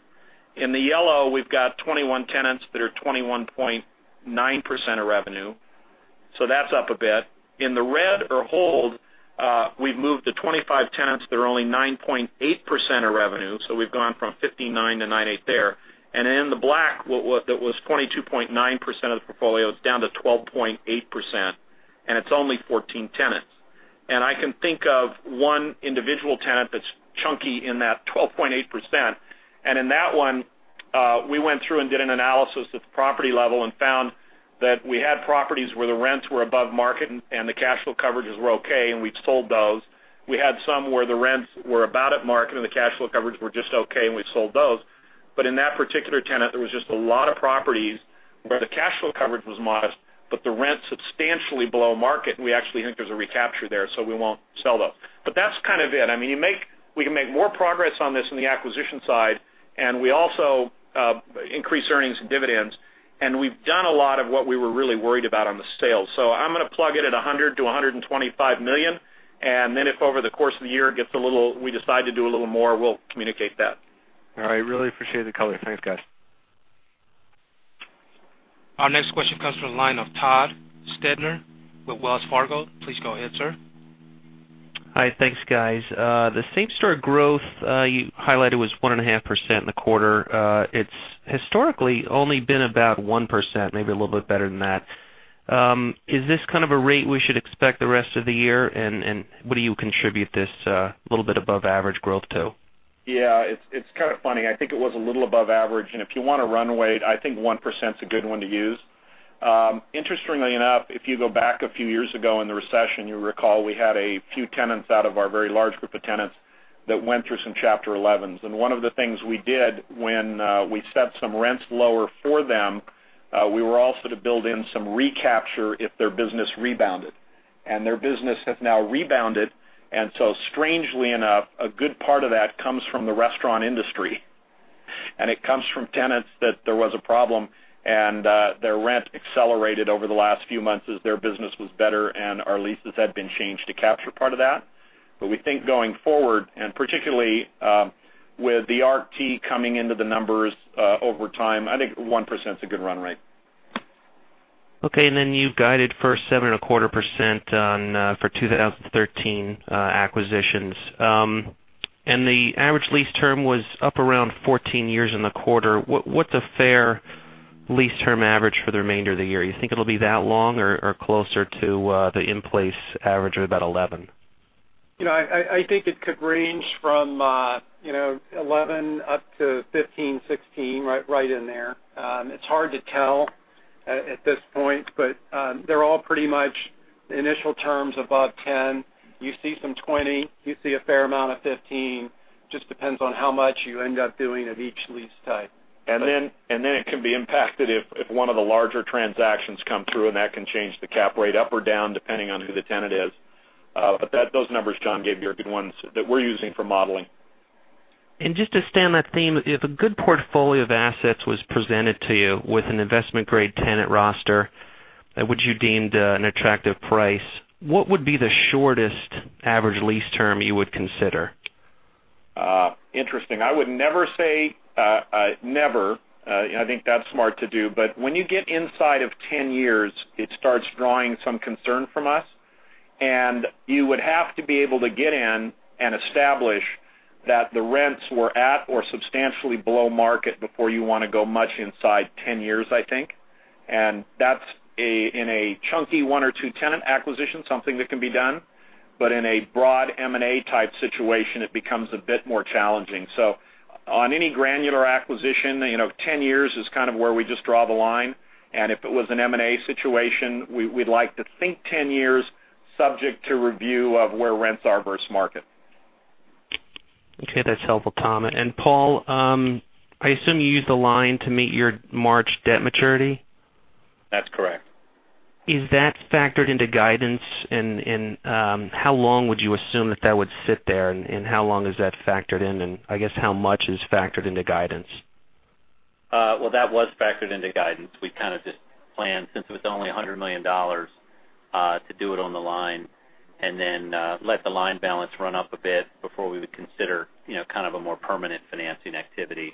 In the yellow, we've got 21 tenants that are 21.9% of revenue. That's up a bit. In the red or hold, we've moved to 25 tenants that are only 9.8% of revenue, so we've gone from 15.9% to 9.8% there. In the black, that was 22.9% of the portfolio, it's down to 12.8%, and it's only 14 tenants. I can think of one individual tenant that's chunky in that 12.8%. In that one, we went through and did an analysis at the property level and found that we had properties where the rents were above market and the cash flow coverages were okay, and we sold those. We had some where the rents were about at market and the cash flow coverage were just okay, and we sold those. In that particular tenant, there was just a lot of properties where the cash flow coverage was modest, but the rent's substantially below market, and we actually think there's a recapture there, so we won't sell those. That's kind of it. We can make more progress on this in the acquisition side, and we also increase earnings and dividends, and we've done a lot of what we were really worried about on the sales. I'm going to plug it at $100 million-$125 million. Then if over the course of the year, we decide to do a little more, we'll communicate that. All right. Really appreciate the color. Thanks, guys. Our next question comes from the line of Todd Stender with Wells Fargo. Please go ahead, sir. Hi. Thanks, guys. The same-store growth you highlighted was 1.5% in the quarter. It's historically only been about 1%, maybe a little bit better than that. Is this kind of a rate we should expect the rest of the year? What do you contribute this little bit above average growth to? Yeah, it's kind of funny. I think it was a little above average. If you want a run rate, I think 1% is a good one to use. Interestingly enough, if you go back a few years ago in the recession, you'll recall we had a few tenants out of our very large group of tenants that went through some Chapter 11s. One of the things we did when we set some rents lower for them, we were also to build in some recapture if their business rebounded. Their business has now rebounded. Strangely enough, a good part of that comes from the restaurant industry. It comes from tenants that there was a problem, and their rent accelerated over the last few months as their business was better and our leases had been changed to capture part of that. We think going forward, particularly with the ARCT coming into the numbers over time, I think 1%'s a good run rate. You've guided for 7.25% for 2013 acquisitions. The average lease term was up around 14 years in the quarter. What's a fair lease term average for the remainder of the year? You think it'll be that long or closer to the in-place average of about 11? I think it could range from 11 up to 15, 16, right in there. It's hard to tell at this point, but they're all pretty much initial terms above 10. You see some 20, you see a fair amount of 15, just depends on how much you end up doing of each lease type. It can be impacted if one of the larger transactions come through, that can change the cap rate up or down, depending on who the tenant is. Those numbers John gave you are good ones that we're using for modeling. Just to stay on that theme, if a good portfolio of assets was presented to you with an investment-grade tenant roster that you deemed an attractive price, what would be the shortest average lease term you would consider? Interesting. I would never say never. I think that's smart to do. When you get inside of 10 years, it starts drawing some concern from us. You would have to be able to get in and establish that the rents were at or substantially below market before you want to go much inside 10 years, I think. That's, in a chunky one or two-tenant acquisition, something that can be done. In a broad M&A type situation, it becomes a bit more challenging. On any granular acquisition, 10 years is kind of where we just draw the line. If it was an M&A situation, we'd like to think 10 years, subject to review of where rents are versus market. Okay, that's helpful, Tom. Paul, I assume you used the line to meet your March debt maturity? That's correct. Is that factored into guidance? How long would you assume that that would sit there, and how long is that factored in, and I guess how much is factored into guidance? Well, that was factored into guidance. We kind of just planned, since it was only $100 million, to do it on the line and then let the line balance run up a bit before we would consider kind of a more permanent financing activity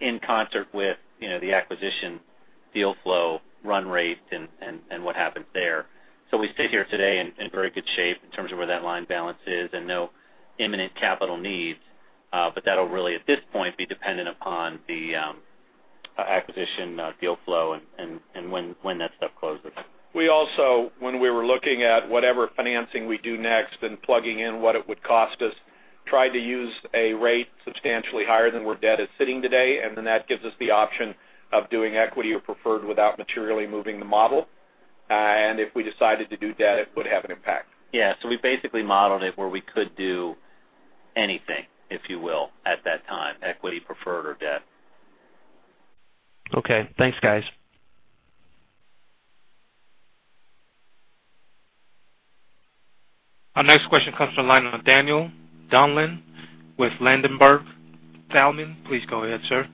in concert with the acquisition deal flow run rate and what happens there. We sit here today in very good shape in terms of where that line balance is and no imminent capital needs. That'll really, at this point, be dependent upon the acquisition deal flow and when that stuff closes. We also, when we were looking at whatever financing we do next, then plugging in what it would cost us, tried to use a rate substantially higher than where debt is sitting today, and then that gives us the option of doing equity or preferred without materially moving the model. If we decided to do debt, it would have an impact. Yes. We basically modeled it where we could do anything, if you will, at that time, equity preferred or debt. Okay. Thanks, guys. Our next question comes from the line of Daniel Donlan with Ladenburg Thalmann. Please go ahead, sir.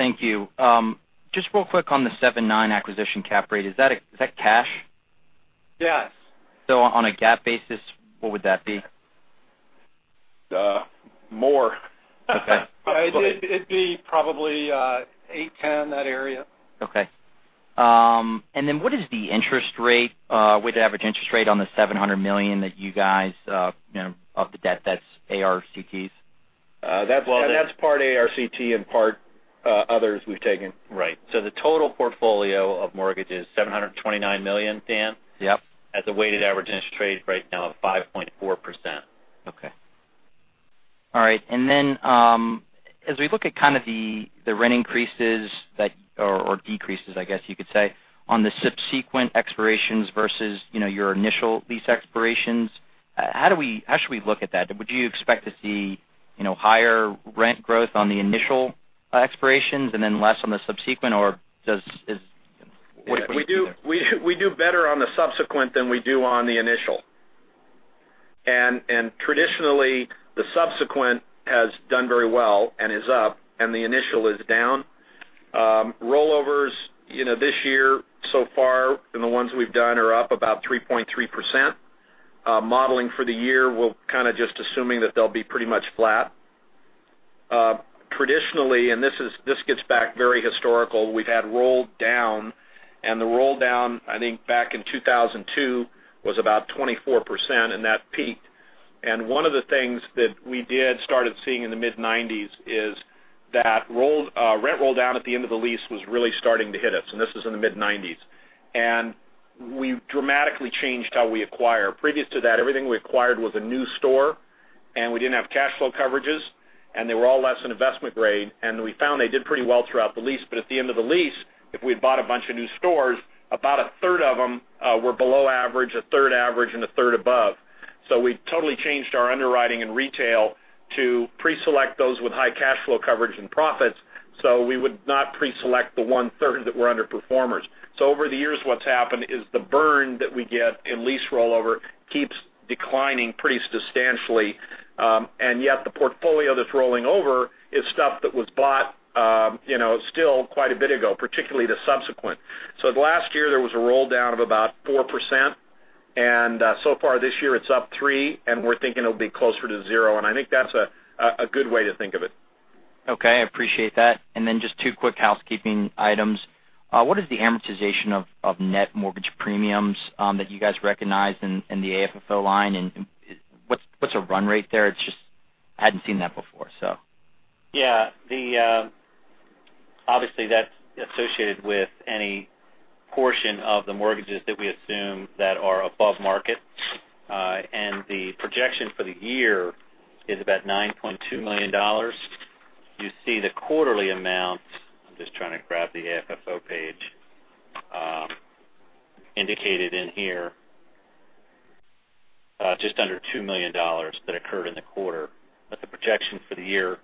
Thank you. Just real quick on the 7.9 acquisition cap rate, is that cash? Yes. On a GAAP basis, what would that be? More. Okay. It'd be probably 8.10, that area. What is the weighted average interest rate on the $700 million of the debt that's ARCT's? That's part ARCT and part others we've taken. Right. The total portfolio of mortgage is $729 million, Dan. Yep. At the weighted average interest rate right now of 5.4%. Okay. All right. Then, as we look at kind of the rent increases or decreases, I guess you could say, on the subsequent expirations versus your initial lease expirations, how should we look at that? Would you expect to see higher rent growth on the initial expirations and then less on the subsequent? What do you think there? We do better on the subsequent than we do on the initial. Traditionally, the subsequent has done very well and is up, and the initial is down. Rollovers this year so far, the ones we've done are up about 3.3%. Modeling for the year, we're kind of just assuming that they'll be pretty much flat. Traditionally, and this gets back very historical, we've had roll down, the roll down, I think back in 2002, was about 24%, and that peaked. One of the things that we did start seeing in the mid-'90s is that rent roll down at the end of the lease was really starting to hit us, this is in the mid-'90s. We dramatically changed how we acquire. Previous to that, everything we acquired was a new store, and we didn't have cash flow coverages, and they were all less than investment grade. We found they did pretty well throughout the lease, but at the end of the lease, if we had bought a bunch of new stores, about a third of them were below average, a third average, and a third above. We totally changed our underwriting in retail to pre-select those with high cash flow coverage and profits, so we would not pre-select the one-third that were underperformers. Over the years, what's happened is the burn that we get in lease rollover keeps declining pretty substantially. Yet the portfolio that's rolling over is stuff that was bought still quite a bit ago, particularly the subsequent. Last year, there was a roll down of about 4%, and so far this year, it's up 3%, and we're thinking it'll be closer to 0%. I think that's a good way to think of it. Okay. I appreciate that. Then just two quick housekeeping items. What is the amortization of net mortgage premiums that you guys recognize in the AFFO line, and what's a run rate there? I hadn't seen that before. Yeah. Obviously, that's associated with any portion of the mortgages that we assume that are above market. The projection for the year is about $9.2 million. You see the quarterly amount, I'm just trying to grab the AFFO page, indicated in here, just under $2 million that occurred in the quarter. The projection for the year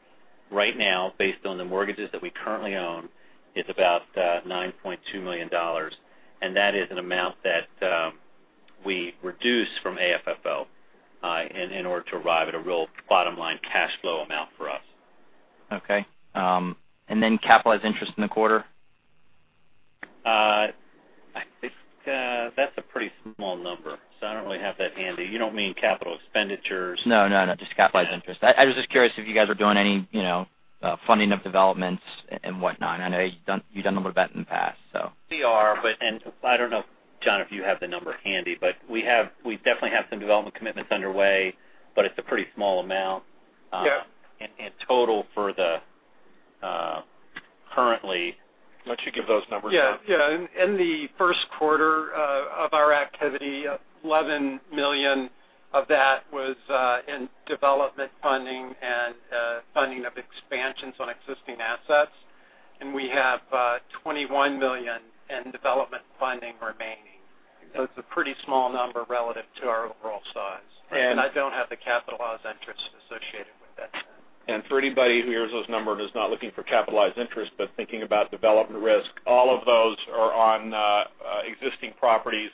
right now, based on the mortgages that we currently own, is about $9.2 million, and that is an amount that we reduce from AFFO in order to arrive at a real bottom-line cash flow amount for us. Okay. Then capitalized interest in the quarter? That's a pretty small number, so I don't really have that handy. You don't mean capital expenditures? No, just capitalized interest. I was just curious if you guys were doing any funding of developments and whatnot. I know you've done a little bit in the past, so. We are, and I don't know, John, if you have the number handy, but we definitely have some development commitments underway, but it's a pretty small amount. Yep. In total for the currently Why don't you give those numbers, John? Yeah. In the first quarter of our activity, $11 million of that was in development funding and funding of expansions on existing assets, and we have $21 million in development funding remaining. It's a pretty small number relative to our overall size. I don't have the capitalized interest associated with that, Tom. For anybody who hears those numbers and is not looking for capitalized interest, but thinking about development risk, all of those are on existing properties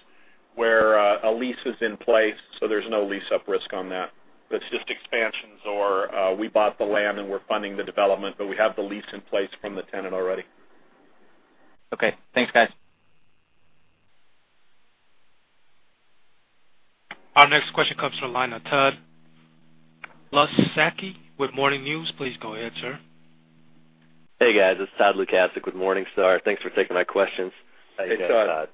where a lease is in place, so there's no lease-up risk on that. It's just expansions or we bought the land and we're funding the development, but we have the lease in place from the tenant already. Okay. Thanks, guys. Our next question comes from the line of Todd Lukasik with Morningstar. Please go ahead, sir. Hey, guys. It's Todd Lukasik with Morningstar. Thanks for taking my questions. Hey, Todd. Hey, Todd.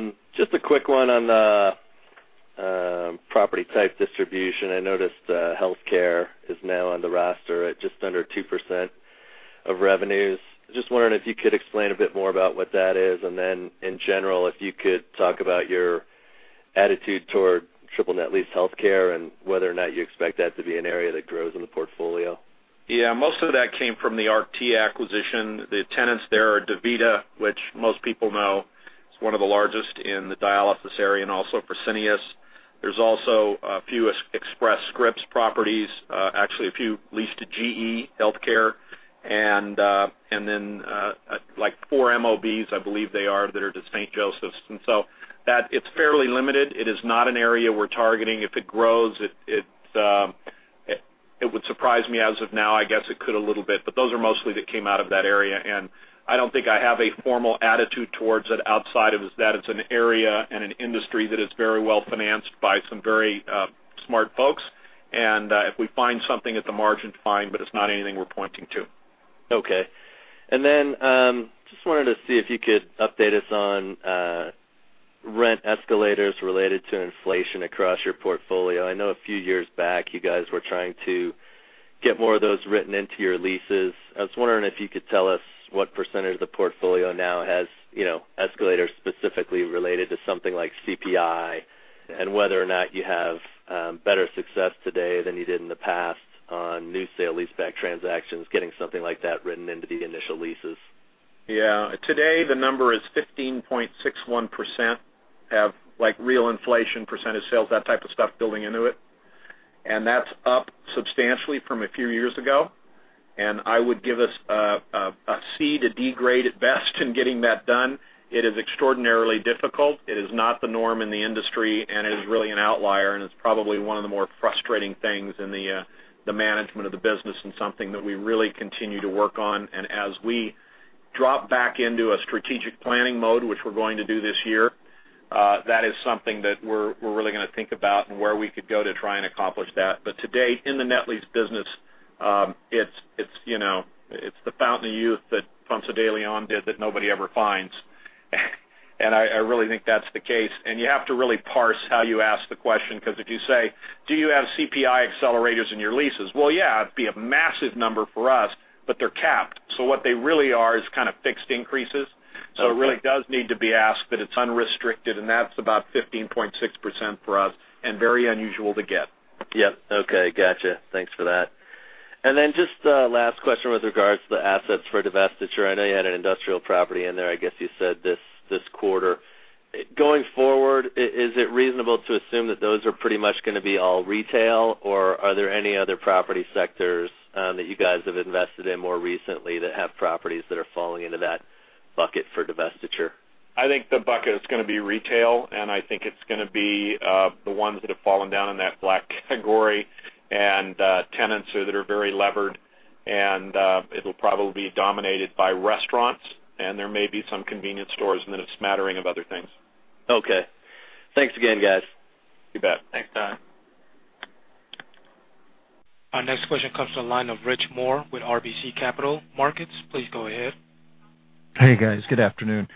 Thanks. A quick one on the property type distribution. I noticed healthcare is now on the roster at just under 2% of revenues. Wondering if you could explain a bit more about what that is, and then in general, if you could talk about your attitude toward triple net lease healthcare and whether or not you expect that to be an area that grows in the portfolio. Most of that came from the ARCT acquisition. The tenants there are DaVita, which most people know is one of the largest in the dialysis area, and also Fresenius. There's also a few Express Scripts properties, actually a few leased to GE HealthCare, and then 4 MOBs, I believe they are, that are to St. Joseph's. So it's fairly limited. It is not an area we're targeting. If it grows, it would surprise me as of now. I guess it could a little bit, but those are mostly that came out of that area, and I don't think I have a formal attitude towards it outside of is that it's an area and an industry that is very well-financed by some very smart folks. If we find something at the margin, fine, but it's not anything we're pointing to. Okay. Then, just wanted to see if you could update us on rent escalators related to inflation across your portfolio. I know a few years back you guys were trying to get more of those written into your leases. I was wondering if you could tell us what percentage of the portfolio now has escalators specifically related to something like CPI, and whether or not you have better success today than you did in the past on new sale-leaseback transactions, getting something like that written into the initial leases. Today, the number is 15.61%, have real inflation, percentage sales, that type of stuff building into it. That's up substantially from a few years ago. I would give us a C to D grade at best in getting that done. It is extraordinarily difficult. It is not the norm in the industry, and it is really an outlier, and it's probably one of the more frustrating things in the management of the business and something that we really continue to work on. As we drop back into a strategic planning mode, which we're going to do this year, that is something that we're really going to think about and where we could go to try and accomplish that. But today, in the net lease business, it's the fountain of youth that Ponce de León did that nobody ever finds. I really think that's the case, and you have to really parse how you ask the question, because if you say, "Do you have CPI accelerators in your leases?" Well, yeah, it'd be a massive number for us, but they're capped. What they really are is kind of fixed increases. It really does need to be asked that it's unrestricted, and that's about 15.6% for us and very unusual to get. Yep. Okay. Gotcha. Thanks for that. Just a last question with regards to the assets for divestiture. I know you had an industrial property in there, I guess you said this quarter. Going forward, is it reasonable to assume that those are pretty much going to be all retail, or are there any other property sectors that you guys have invested in more recently that have properties that are falling into that bucket for divestiture? I think the bucket is going to be retail, and I think it's going to be the ones that have fallen down in that black category and tenants that are very levered, and it'll probably be dominated by restaurants, and there may be some convenience stores, and then a smattering of other things. Okay. Thanks again, guys. You bet. Thanks, Don. Our next question comes to the line of Rich Moore with RBC Capital Markets. Please go ahead. Hey, guys. Good afternoon.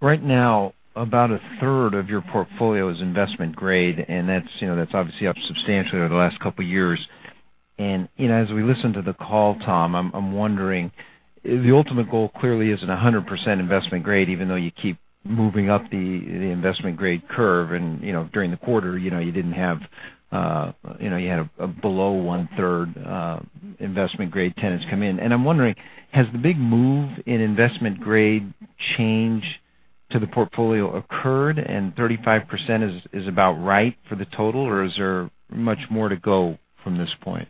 Right now, about a third of your portfolio is investment grade, and that's obviously up substantially over the last couple of years. As we listen to the call, Tom, I'm wondering, the ultimate goal clearly isn't 100% investment grade, even though you keep moving up the investment grade curve and during the quarter, you had a below one-third investment grade tenants come in. I'm wondering, has the big move in investment grade change to the portfolio occurred and 35% is about right for the total, or is there much more to go from this point?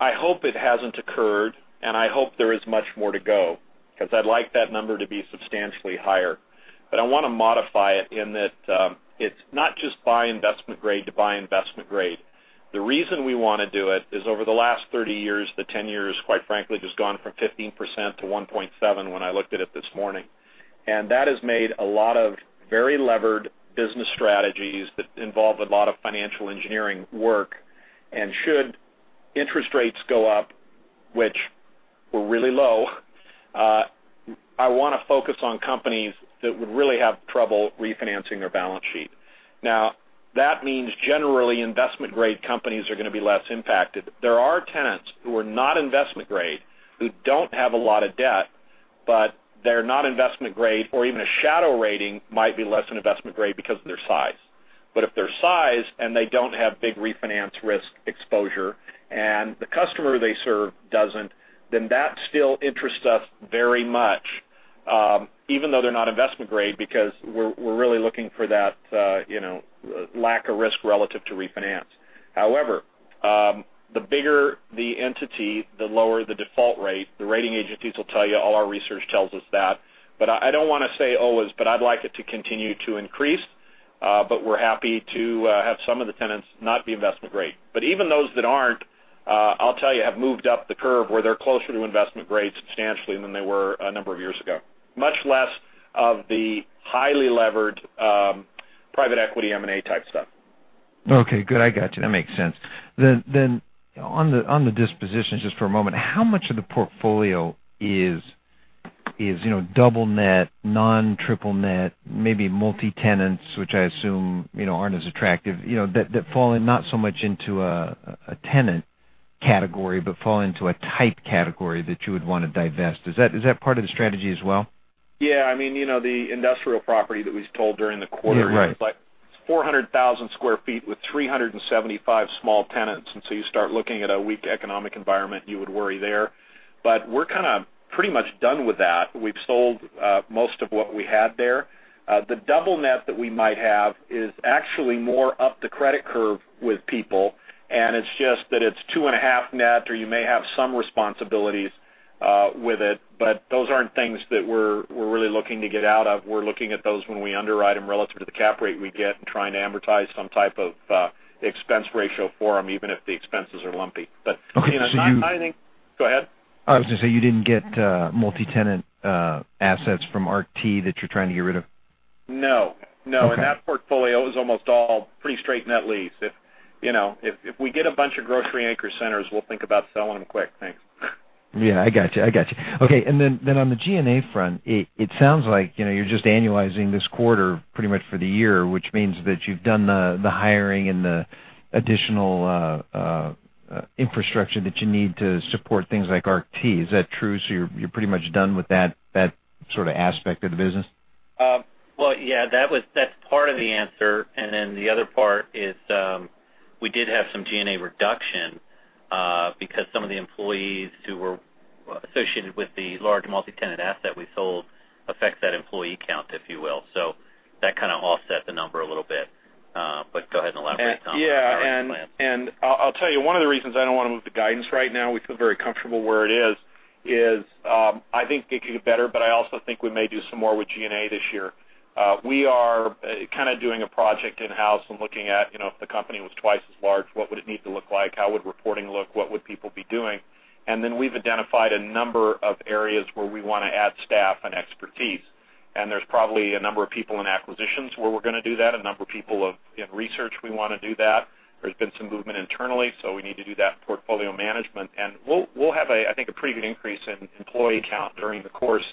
I hope it hasn't occurred, and I hope there is much more to go, because I'd like that number to be substantially higher. I want to modify it in that it's not just buy investment grade to buy investment grade. The reason we want to do it is over the last 30 years, the tenure has, quite frankly, just gone from 15% to 1.7 when I looked at it this morning. That has made a lot of very levered business strategies that involve a lot of financial engineering work. Should interest rates go up, which were really low, I want to focus on companies that would really have trouble refinancing their balance sheet. Now, that means, generally, investment-grade companies are going to be less impacted. There are tenants who are not investment grade who don't have a lot of debt, they're not investment grade, or even a shadow rating might be less than investment grade because of their size. If their size and they don't have big refinance risk exposure and the customer they serve doesn't, then that still interests us very much, even though they're not investment grade, because we're really looking for that lack of risk relative to refinance. However, the bigger the entity, the lower the default rate. The rating agencies will tell you all our research tells us that. I don't want to say always, but I'd like it to continue to increase. We're happy to have some of the tenants not be investment grade. Even those that aren't, I'll tell you, have moved up the curve where they're closer to investment grade substantially than they were a number of years ago. Much less of the highly levered, private equity M&A type stuff. Okay, good. I got you. That makes sense. On the dispositions, just for a moment, how much of the portfolio is double net, non-triple net, maybe multi-tenants, which I assume aren't as attractive, that fall in not so much into a tenant Category, but fall into a type category that you would want to divest. Is that part of the strategy as well? Yeah. The industrial property that we sold during the quarter. Yeah, right 400,000 sq ft with 375 small tenants. You start looking at a weak economic environment, you would worry there. We're kind of pretty much done with that. We've sold most of what we had there. The double net that we might have is actually more up the credit curve with people, and it's just that it's 2.5 net, or you may have some responsibilities with it. Those aren't things that we're really looking to get out of. We're looking at those when we underwrite them relative to the cap rate we get and trying to amortize some type of expense ratio for them, even if the expenses are lumpy. Okay. Go ahead. I was going to say, you didn't get multi-tenant assets from ARCT that you're trying to get rid of? No. Okay. No. That portfolio is almost all pretty straight net lease. If we get a bunch of grocery anchor centers, we'll think about selling them quick. Thanks. Yeah, I got you. Okay. On the G&A front, it sounds like you're just annualizing this quarter pretty much for the year, which means that you've done the hiring and the additional infrastructure that you need to support things like ARCT. Is that true? You're pretty much done with that sort of aspect of the business? Well, yeah, that's part of the answer. The other part is, we did have some G&A reduction, because some of the employees who were associated with the large multi-tenant asset we sold affects that employee count, if you will. That kind of offset the number a little bit. Go ahead and elaborate, Tom. Yeah on our G&A plans. I'll tell you, one of the reasons I don't want to move the guidance right now, we feel very comfortable where it is I think it could get better, but I also think we may do some more with G&A this year. We are kind of doing a project in-house and looking at if the company was twice as large, what would it need to look like? How would reporting look? What would people be doing? We've identified a number of areas where we want to add staff and expertise. There's probably a number of people in acquisitions where we're going to do that, a number of people in research we want to do that. There's been some movement internally, so we need to do that in portfolio management. We'll have, I think, a pretty good increase in employee count during the course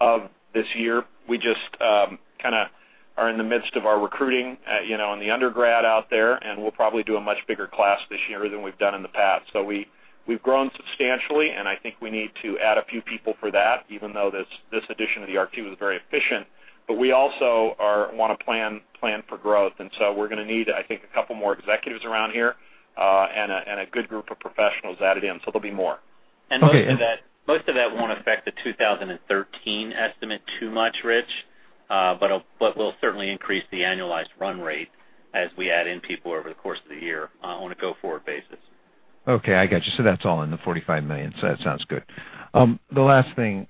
of this year. We just kind of are in the midst of our recruiting in the undergrad out there, and we'll probably do a much bigger class this year than we've done in the past. We've grown substantially, and I think we need to add a few people for that, even though this addition of the ARCT was very efficient. We also want to plan for growth. We're going to need, I think, a couple more executives around here, and a good group of professionals added in. There'll be more. Most of that won't affect the 2013 estimate too much, Rich. We'll certainly increase the annualized run rate as we add in people over the course of the year on a go-forward basis. Okay, I got you. That's all in the $45 million. That sounds good. The last thing,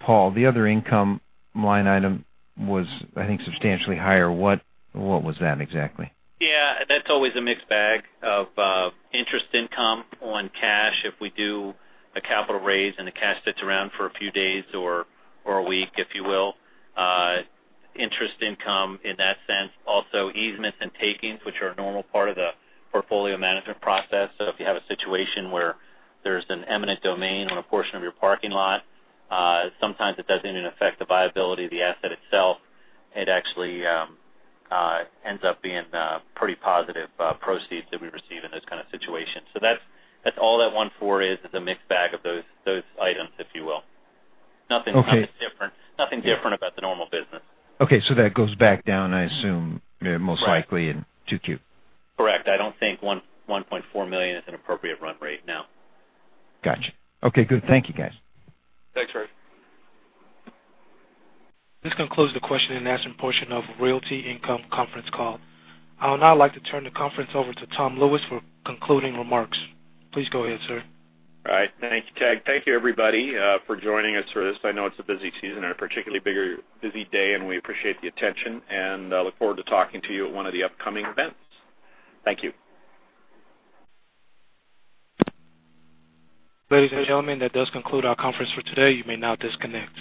Paul, the other income line item was, I think, substantially higher. What was that exactly? That's always a mixed bag of interest income on cash if we do a capital raise and the cash sits around for a few days or one week, if you will. Interest income in that sense. Also easements and takings, which are a normal part of the portfolio management process. If you have a situation where there's an eminent domain on a portion of your parking lot, sometimes it doesn't even affect the viability of the asset itself. It actually ends up being pretty positive proceeds that we receive in those kind of situations. That's all that $1.4 is a mixed bag of those items, if you will. Okay. Nothing different about the normal business. Okay. That goes back down, I assume. Right most likely in 2Q. Correct. I don't think $1.4 million is an appropriate run rate now. Got you. Okay, good. Thank you, guys. Thanks, Rich. This concludes the question and answer portion of Realty Income conference call. I would now like to turn the conference over to Tom Lewis for concluding remarks. Please go ahead, sir. All right. Thank you, Tayo. Thank you, everybody, for joining us for this. I know it's a busy season and a particularly bigger busy day, and we appreciate the attention, and I look forward to talking to you at one of the upcoming events. Thank you. Ladies and gentlemen, that does conclude our conference for today. You may now disconnect.